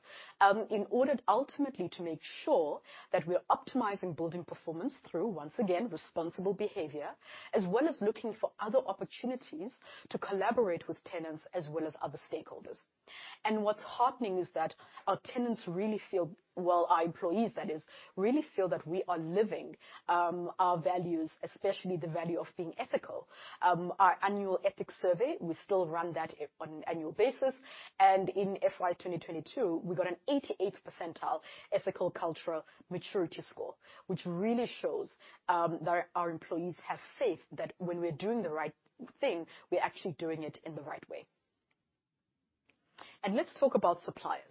Speaker 1: in order ultimately to make sure that we are optimizing building performance through, once again, responsible behavior, as well as looking for other opportunities to collaborate with tenants as well as other stakeholders. What's heartening is that our employees, that is, really feel that we are living our values, especially the value of being ethical. Our annual ethics survey, we still run that on an annual basis, and in FY 2022, we got an 88th percentile ethical cultural maturity score, which really shows that our employees have faith that when we're doing the right thing, we're actually doing it in the right way. Let's talk about suppliers.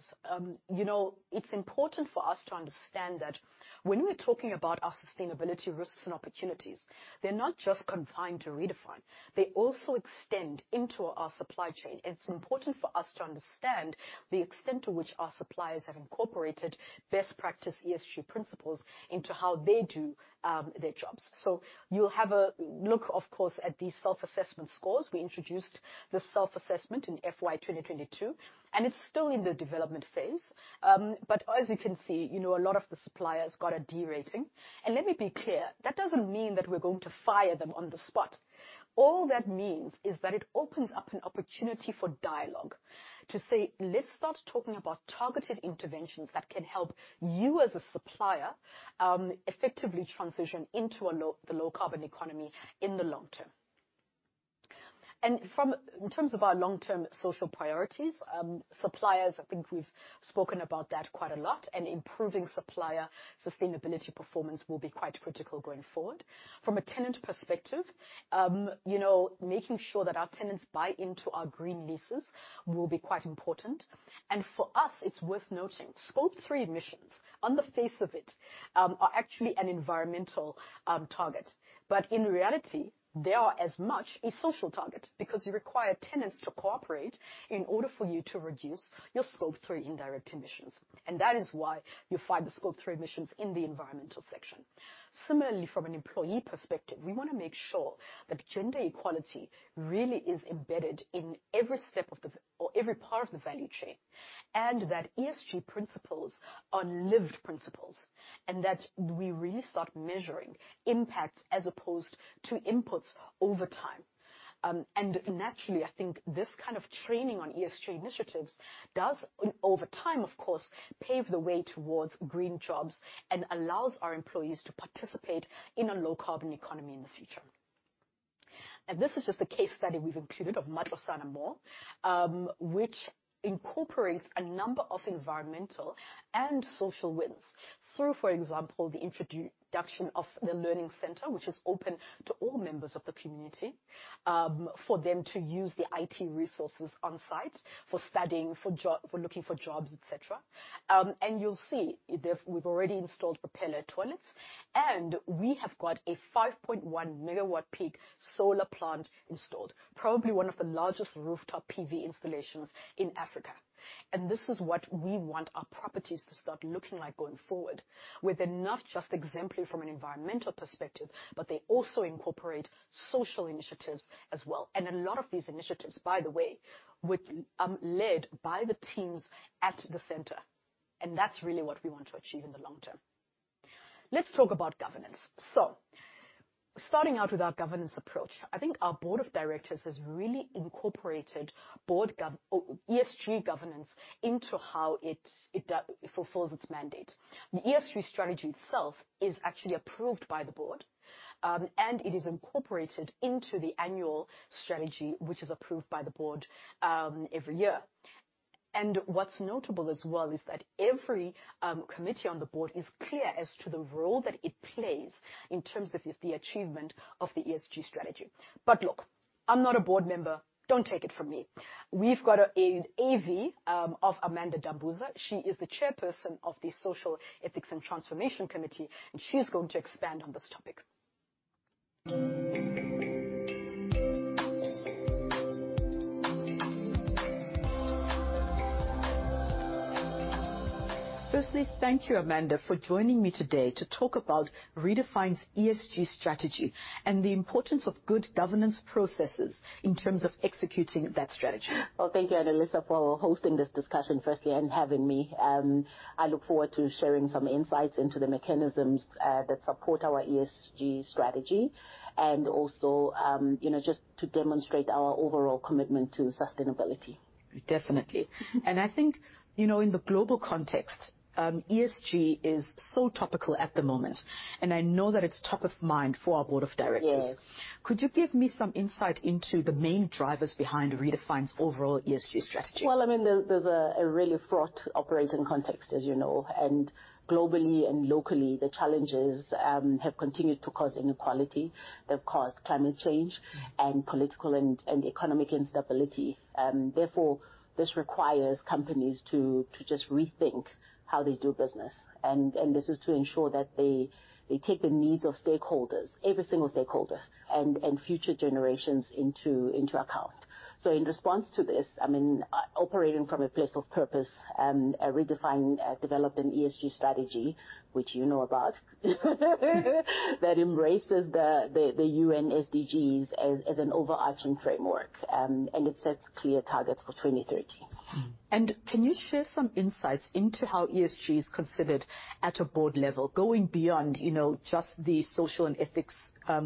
Speaker 1: It's important for us to understand that when we're talking about our sustainability risks and opportunities, they're not just confined to Redefine. They also extend into our supply chain. It's important for us to understand the extent to which our suppliers have incorporated best practice ESG principles into how they do their jobs. You'll have a look, of course, at these self-assessment scores. We introduced the self-assessment in FY 2022, and it's still in the development phase. As you can see, a lot of the suppliers got a D rating. Let me be clear. That doesn't mean that we're going to fire them on the spot. All that means is that it opens up an opportunity for dialogue to say, "Let's start talking about targeted interventions that can help you as a supplier, effectively transition into the low carbon economy in the long-term." In terms of our long-term social priorities, suppliers, I think we've spoken about that quite a lot, and improving supplier sustainability performance will be quite critical going forward. From a tenant perspective, making sure that our tenants buy into our green leases will be quite important. For us, it's worth noting, Scope 3 emissions, on the face of it, are actually an environmental target. But in reality, they are as much a social target because you require tenants to cooperate in order for you to reduce your Scope 3 indirect emissions. That is why you find the Scope 3 emissions in the environmental section. Similarly, from an employee perspective, we wanna make sure that gender equality really is embedded in every part of the value chain, and that ESG principles are lived principles, and that we really start measuring impact as opposed to inputs over time. Naturally, I think this kind of training on ESG initiatives does over time, of course, pave the way towards green jobs and allows our employees to participate in a low carbon economy in the future. This is just a case study we've included of Matlosana Mall, which incorporates a number of environmental and social wins through, for example, the introduction of the learning center, which is open to all members of the community, for them to use the IT resources on site for studying, for looking for jobs, et cetera. You'll see we've already installed Propelair toilets, and we have got a 5.1 MWp solar plant installed, probably one of the largest rooftop PV installations in Africa. This is what we want our properties to start looking like going forward, with not just exemplary from an environmental perspective, but they also incorporate social initiatives as well. A lot of these initiatives, by the way, were led by the teams at the center, and that's really what we want to achieve in the long-term. Let's talk about governance. Starting out with our governance approach, I think our board of directors has really incorporated board ESG governance into how it fulfills its mandate. The ESG strategy itself is actually approved by the board, and it is incorporated into the annual strategy, which is approved by the board, every year. What's notable as well is that every committee on the board is clear as to the role that it plays in terms of the achievement of the ESG strategy. Look, I'm not a board member, don't take it from me. We've got a AV of Amanda Dambuza. She is the Chairperson of the Social, Ethics and Transformation Committee, and she's going to expand on this topic. Firstly, thank you, Amanda, for joining me today to talk about Redefine's ESG strategy and the importance of good governance processes in terms of executing that strategy.
Speaker 4: Well, thank you, Anelisa, for hosting this discussion, firstly, and having me. I look forward to sharing some insights into the mechanisms that support our ESG strategy, and also, just to demonstrate our overall commitment to sustainability.
Speaker 1: Definitely. I think in the global context, ESG is so topical at the moment, and I know that it's top of mind for our board of directors.
Speaker 4: Yes.
Speaker 1: Could you give me some insight into the main drivers behind Redefine's overall ESG strategy?
Speaker 4: Well, I mean, there's a really fraught operating context, as you know, and globally and locally, the challenges have continued to cause inequality. They've caused climate change and political and economic instability. Therefore, this requires companies to just rethink how they do business. This is to ensure that they take the needs of stakeholders, every single stakeholders, and future generations into account. In response to this, I mean, operating from a place of purpose, Redefine developed an ESG strategy, which you know about, that embraces the UN SDGs as an overarching framework. It sets clear targets for 2030.
Speaker 1: Can you share some insights into how ESG is considered at a board level, going beyond just the social and ethics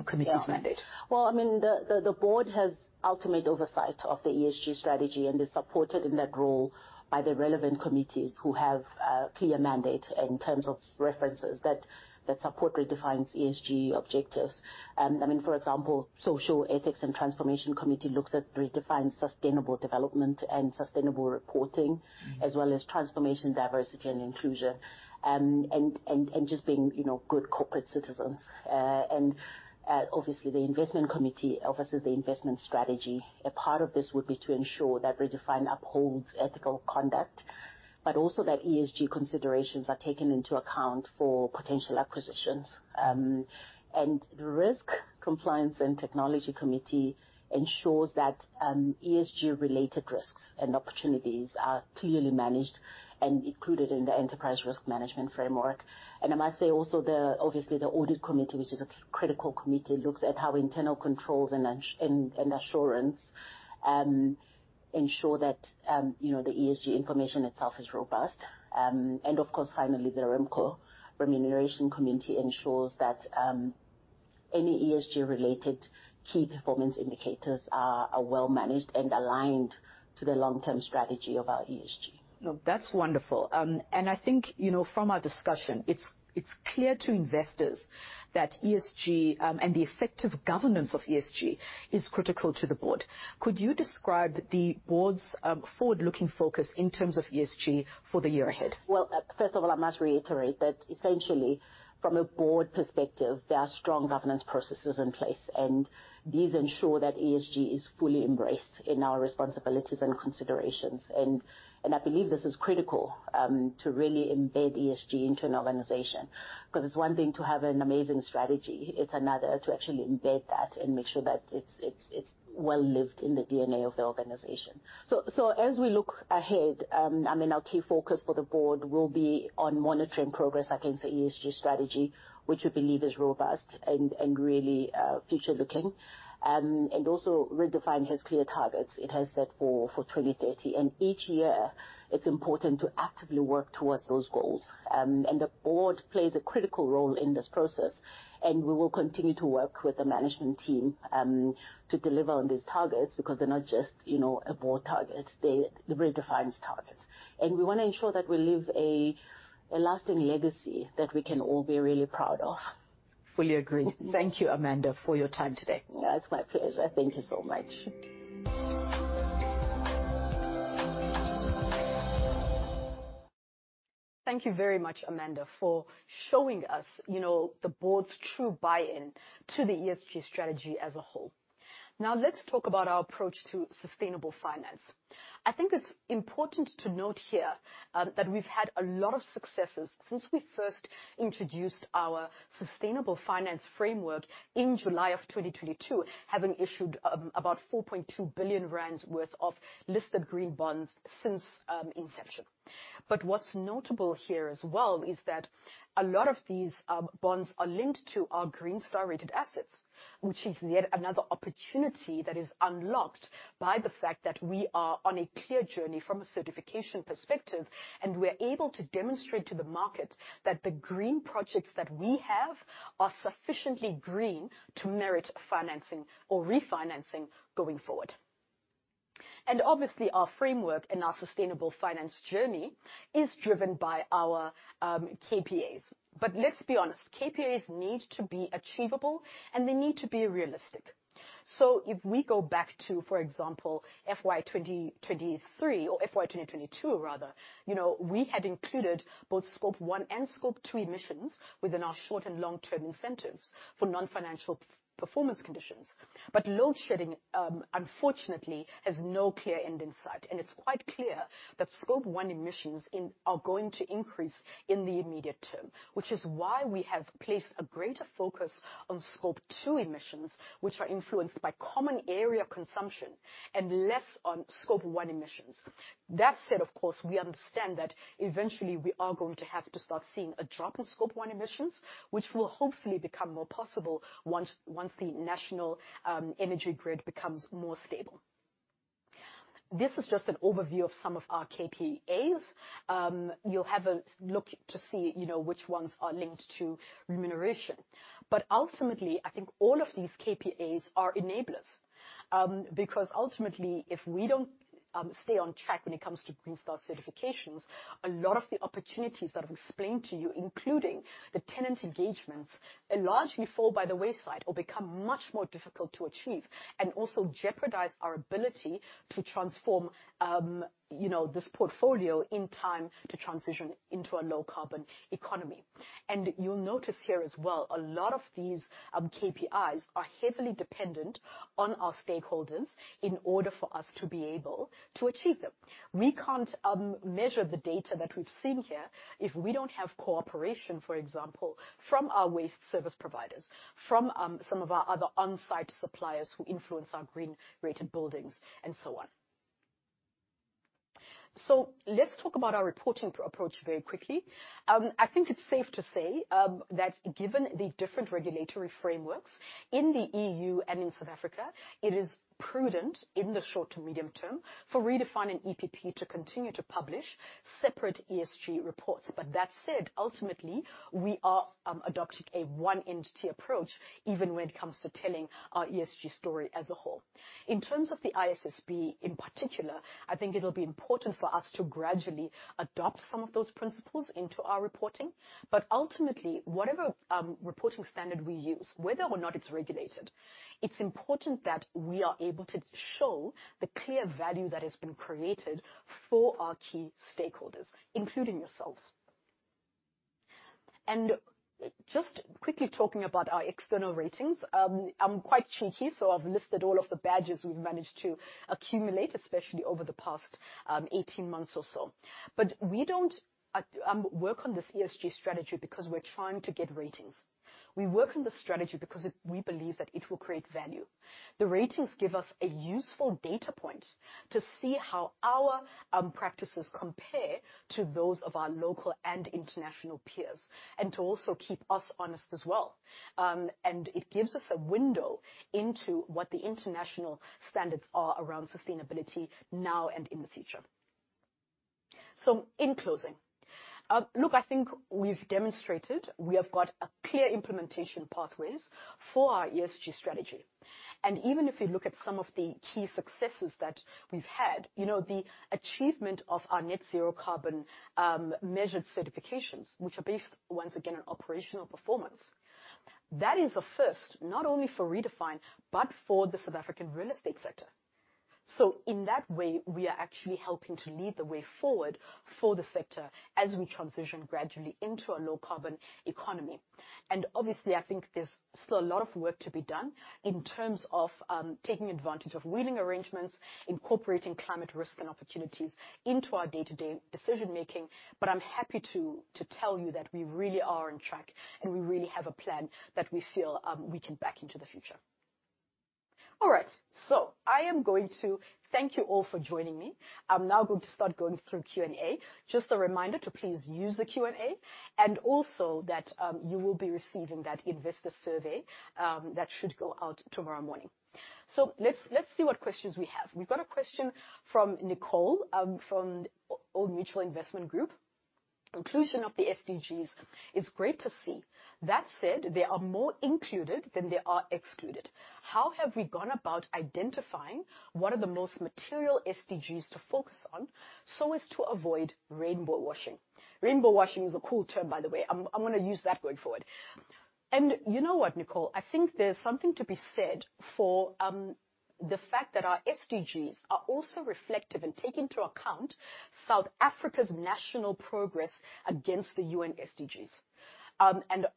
Speaker 1: committee's mandate?
Speaker 4: Yeah. Well, I mean, the board has ultimate oversight of the ESG strategy and is supported in that role by the relevant committees who have a clear mandate in terms of references that support Redefine's ESG objectives. I mean, for example, Social, Ethics and Transformation Committee looks at Redefine's sustainable development and sustainable reporting.
Speaker 1: As well as transformation, diversity and inclusion, and just being good corporate citizens. Obviously the investment committee oversees the investment strategy. A part of this would be to ensure that Redefine upholds ethical conduct, but also that ESG considerations are taken into account for potential acquisitions. The Risk, Compliance and Technology Committee ensures that ESG related risks and opportunities are clearly managed and included in the enterprise risk management framework. I must say also obviously the audit committee, which is a critical committee, looks at how internal controls and assurance ensure that the ESG information itself is robust. Of course, finally, the RemCo, Remuneration Committee, ensures that any ESG related key performance indicators are well managed and aligned to the long-term strategy of our ESG. No, that's wonderful. I think from our discussion, it's clear to investors that ESG and the effective governance of ESG is critical to the board. Could you describe the board's forward-looking focus in terms of ESG for the year ahead?
Speaker 4: Well, first of all, I must reiterate that essentially from a board perspective, there are strong governance processes in place, and these ensure that ESG is fully embraced in our responsibilities and considerations. I believe this is critical to really embed ESG into an organization, 'cause it's one thing to have an amazing strategy, it's another to actually embed that and make sure that it's well lived in the DNA of the organization. As we look ahead, I mean, our key focus for the board will be on monitoring progress against the ESG strategy, which we believe is robust and really future looking. Also Redefine has clear targets it has set for 2030, and each year it's important to actively work towards those goals. The board plays a critical role in this process. We will continue to work with the management team to deliver on these targets because they're not just a board target. They're Redefine's targets. We wanna ensure that we leave a lasting legacy that we can all be really proud of.
Speaker 1: Fully agreed. Thank you, Amanda, for your time today.
Speaker 4: Yeah, it's my pleasure. Thank you so much.
Speaker 1: Thank you very much, Amanda, for showing us the board's true buy-in to the ESG strategy as a whole. Now let's talk about our approach to sustainable finance. I think it's important to note here that we've had a lot of successes since we first introduced our sustainable finance framework in July of 2022, having issued about 4.2 billion rand worth of listed green bonds since inception. What's notable here as well is that a lot of these bonds are linked to our Green Star rated assets, which is yet another opportunity that is unlocked by the fact that we are on a clear journey from a certification perspective, and we're able to demonstrate to the market that the green projects that we have are sufficiently green to merit financing or refinancing going forward. Obviously, our framework and our sustainable finance journey is driven by our KPIs. Let's be honest, KPIs need to be achievable, and they need to be realistic. If we go back to, for example, FY 2023, or FY 2022 rather, we had included both Scope 1 and Scope 2 emissions within our short and long-term incentives for non-financial performance conditions. Load shedding, unfortunately, has no clear end in sight, and it's quite clear that Scope 1 emissions are going to increase in the immediate term, which is why we have placed a greater focus on Scope 2 emissions, which are influenced by common area consumption, and less on Scope 1 emissions. That said, of course, we understand that eventually we are going to have to start seeing a drop in Scope 1 emissions, which will hopefully become more possible once the national energy grid becomes more stable. This is just an overview of some of our KPIs. You'll have a look to see which ones are linked to remuneration. Ultimately, I think all of these KPIs are enablers. Because ultimately, if we don't stay on track when it comes to Green Star certifications, a lot of the opportunities that I've explained to you, including the tenant engagements, will largely fall by the wayside or become much more difficult to achieve and also jeopardize our ability to transform this portfolio in time to transition into a low-carbon economy. You'll notice here as well, a lot of these KPIs are heavily dependent on our stakeholders in order for us to be able to achieve them. We can't measure the data that we've seen here if we don't have cooperation, for example, from our waste service providers, from some of our other on-site suppliers who influence our green rated buildings and so on. Let's talk about our reporting approach very quickly. I think it's safe to say that given the different regulatory frameworks in the EU and in South Africa, it is prudent in the short to medium term for Redefine and EPP to continue to publish separate ESG reports. That said, ultimately, we are adopting a one entity approach, even when it comes to telling our ESG story as a whole. In terms of the ISSB in particular, I think it'll be important for us to gradually adopt some of those principles into our reporting. Ultimately, whatever reporting standard we use, whether or not it's regulated, it's important that we are able to show the clear value that has been created for our key stakeholders, including yourselves. Just quickly talking about our external ratings. I'm quite cheeky, so I've listed all of the badges we've managed to accumulate, especially over the past 18 months or so. We don't work on this ESG strategy because we're trying to get ratings. We work on this strategy because we believe that it will create value. The ratings give us a useful data point to see how our practices compare to those of our local and international peers, and to also keep us honest as well. It gives us a window into what the international standards are around sustainability now and in the future. In closing, look, I think we've demonstrated we have got a clear implementation pathways for our ESG strategy. Even if you look at some of the key successes that we've had the achievement of our Net Zero Carbon measured certifications, which are based, once again, on operational performance, that is a first, not only for Redefine but for the South African real estate sector. In that way, we are actually helping to lead the way forward for the sector as we transition gradually into a low-carbon economy. Obviously, I think there's still a lot of work to be done in terms of taking advantage of wheeling arrangements, incorporating climate risk and opportunities into our day-to-day decision-making. I'm happy to tell you that we really are on track, and we really have a plan that we feel we can back into the future. All right, I am going to thank you all for joining me. I'm now going to start going through Q&A. Just a reminder to please use the Q&A, and also that you will be receiving that investor survey that should go out tomorrow morning. Let's see what questions we have. We've got a question from Nicole from Old Mutual Investment Group. Inclusion of the SDGs is great to see. That said, they are more included than they are excluded. How have we gone about identifying what are the most material SDGs to focus on, so as to avoid rainbow washing? Rainbow washing is a cool term, by the way. I'm gonna use that going forward. You know what, Nicole, I think there's something to be said for the fact that our SDGs are also reflective and take into account South Africa's national progress against the UN SDGs.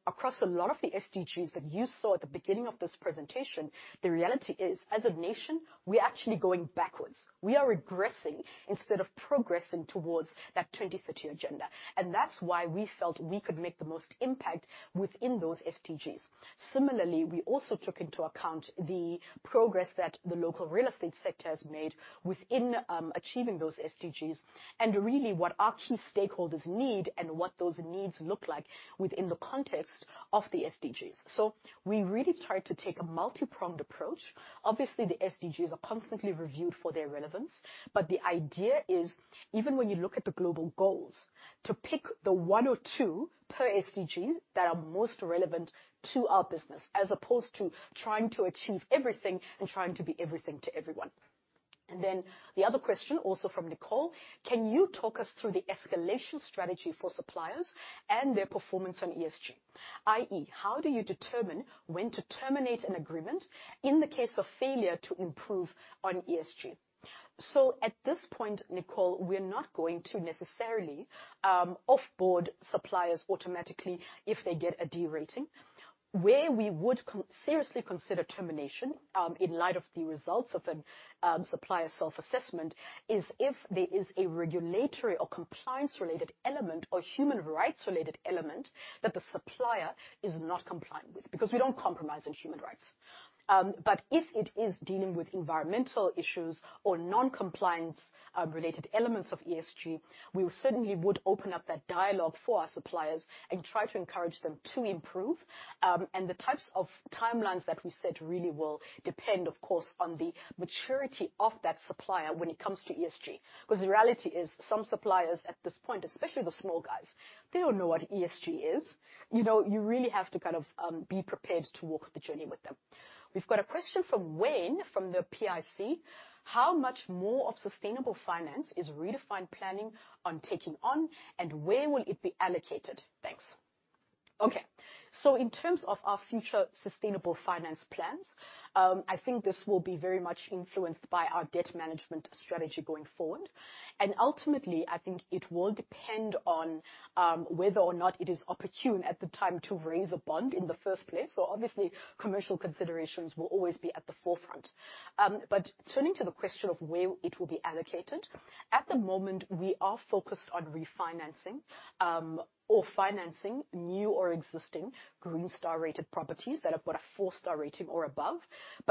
Speaker 1: Across a lot of the SDGs that you saw at the beginning of this presentation, the reality is, as a nation, we're actually going backwards. We are regressing instead of progressing towards that 2030 agenda, and that's why we felt we could make the most impact within those SDGs. Similarly, we also took into account the progress that the local real estate sector has made within achieving those SDGs, and really what our key stakeholders need and what those needs look like within the context of the SDGs. We really tried to take a multi-pronged approach. Obviously, the SDGs are constantly reviewed for their relevance, but the idea is, even when you look at the global goals, to pick the one or two per SDGs that are most relevant to our business, as opposed to trying to achieve everything and trying to be everything to everyone. Then the other question also from Nicole, can you talk us through the escalation strategy for suppliers and their performance on ESG, i.e., how do you determine when to terminate an agreement in the case of failure to improve on ESG? At this point, Nicole, we're not going to necessarily, off-board suppliers automatically if they get a D rating. Where we would seriously consider termination, in light of the results of a supplier self-assessment, is if there is a regulatory or compliance related element or human rights related element that the supplier is not compliant with, because we don't compromise on human rights. But if it is dealing with environmental issues or non-compliance related elements of ESG, we certainly would open up that dialogue for our suppliers and try to encourage them to improve. The types of timelines that we set really will depend, of course, on the maturity of that supplier when it comes to ESG. 'Cause the reality is some suppliers at this point, especially the small guys, they don't know what ESG is. You really have to kind of be prepared to walk the journey with them. We've got a question from Wayne from the PIC. How much more of sustainable finance is Redefine planning on taking on, and where will it be allocated? Thanks. Okay, in terms of our future sustainable finance plans, I think this will be very much influenced by our debt management strategy going forward. Ultimately, I think it will depend on, whether or not it is opportune at the time to raise a bond in the first place. Obviously commercial considerations will always be at the forefront. Turning to the question of where it will be allocated, at the moment, we are focused on refinancing, or financing new or existing Green Star rated properties that have got a four-star rating or above.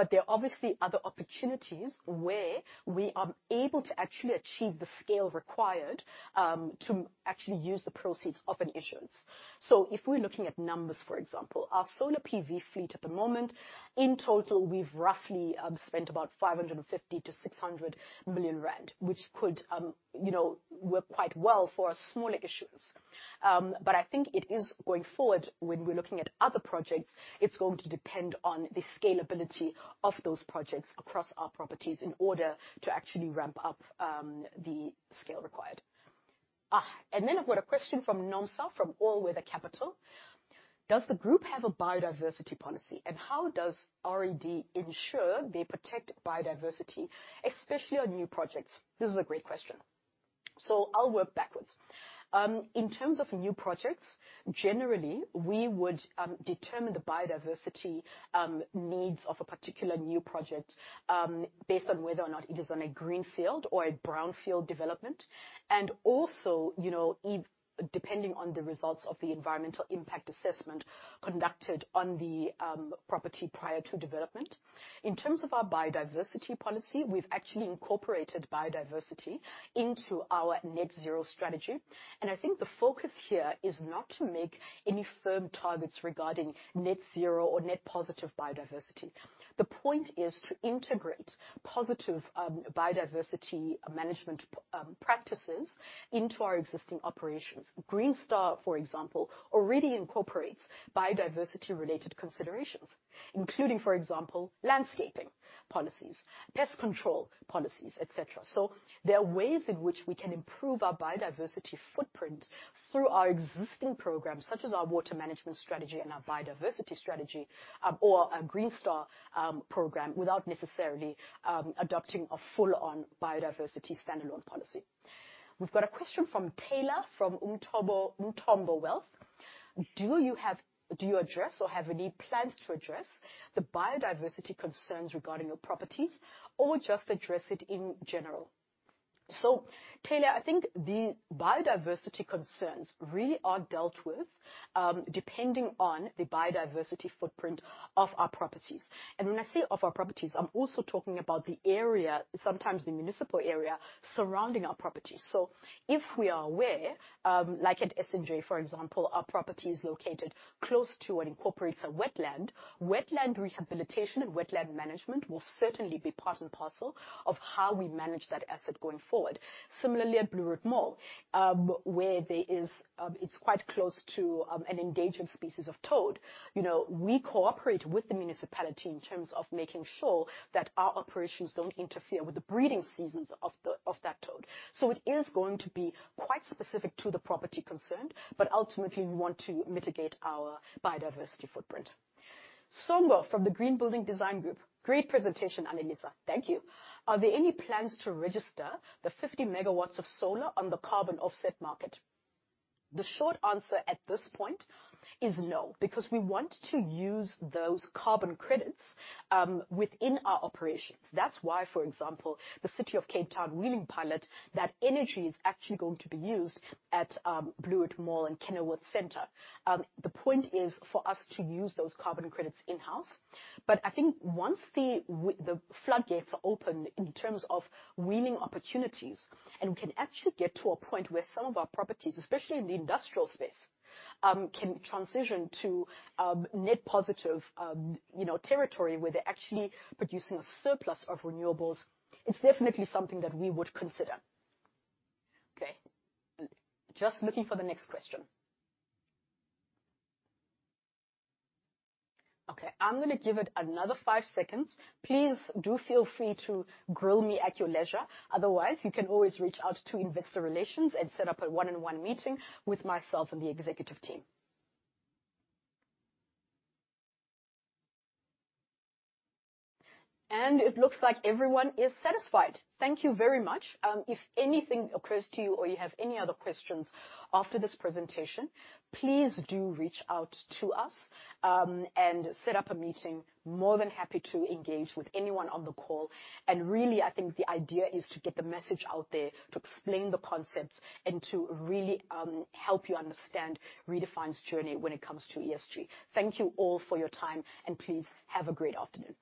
Speaker 1: There are obviously other opportunities where we are able to actually achieve the scale required, to actually use the proceeds of an issuance. If we're looking at numbers, for example, our solar PV fleet at the moment, in total, we've roughly spent about 550 million-600 million rand, which could work quite well for a smaller issuance. But I think it is going forward, when we're looking at other projects, it's going to depend on the scalability of those projects across our properties in order to actually ramp up the scale required. And then I've got a question from Nomsa, from All Weather Capital. Does the group have a biodiversity policy, and how does RED ensure they protect biodiversity, especially on new projects? This is a great question. I'll work backwards. In terms of new projects, generally, we would determine the biodiversity needs of a particular new project based on whether or not it is on a greenfield or a brownfield development, and also depending on the results of the environmental impact assessment conducted on the property prior to development. In terms of our biodiversity policy, we've actually incorporated biodiversity into our net zero strategy, and I think the focus here is not to make any firm targets regarding net zero or net positive biodiversity. The point is to integrate positive biodiversity management practices into our existing operations. Green Star, for example, already incorporates biodiversity related considerations, including, for example, landscaping policies, pest control policies, et cetera. There are ways in which we can improve our biodiversity footprint through our existing programs, such as our water management strategy and our biodiversity strategy, or our Green Star program, without necessarily adopting a full-on biodiversity standalone policy. We've got a question from Taylor, from Umthombo Wealth. Do you address or have any plans to address the biodiversity concerns regarding your properties, or just address it in general? Taylor, I think the biodiversity concerns really are dealt with, depending on the biodiversity footprint of our properties. When I say of our properties, I'm also talking about the area, sometimes the municipal area surrounding our properties. If we are aware, like at S&J, for example, our property is located close to and incorporates a wetland. Wetland rehabilitation and wetland management will certainly be part and parcel of how we manage that asset going forward. Similarly, at Blue Route Mall, where it's quite close to an endangered species of toad. We cooperate with the municipality in terms of making sure that our operations don't interfere with the breeding seasons of that toad. It is going to be quite specific to the property concerned, but ultimately, we want to mitigate our biodiversity footprint. Songo from the Green Building Design Group, "Great presentation, Anelisa." Thank you. "Are there any plans to register the 50 MW of solar on the carbon offset market?" The short answer at this point is no, because we want to use those carbon credits within our operations. That's why, for example, the City of Cape Town wheeling pilot, that energy is actually going to be used at Blue Route Mall and Kenilworth Centre. The point is for us to use those carbon credits in-house. I think once the floodgates are open in terms of wheeling opportunities and we can actually get to a point where some of our properties, especially in the industrial space, can transition to net positive. Territory where they're actually producing a surplus of renewables, it's definitely something that we would consider. Okay. Just looking for the next question. Okay, I'm gonna give it another five seconds. Please do feel free to grill me at your leisure. Otherwise, you can always reach out to investor relations and set up a one-on-one meeting with myself and the executive team. It looks like everyone is satisfied. Thank you very much. If anything occurs to you or you have any other questions after this presentation, please do reach out to us, and set up a meeting. More than happy to engage with anyone on the call. Really, I think the idea is to get the message out there, to explain the concepts, and to really help you understand Redefine's journey when it comes to ESG. Thank you all for your time, and please have a great afternoon.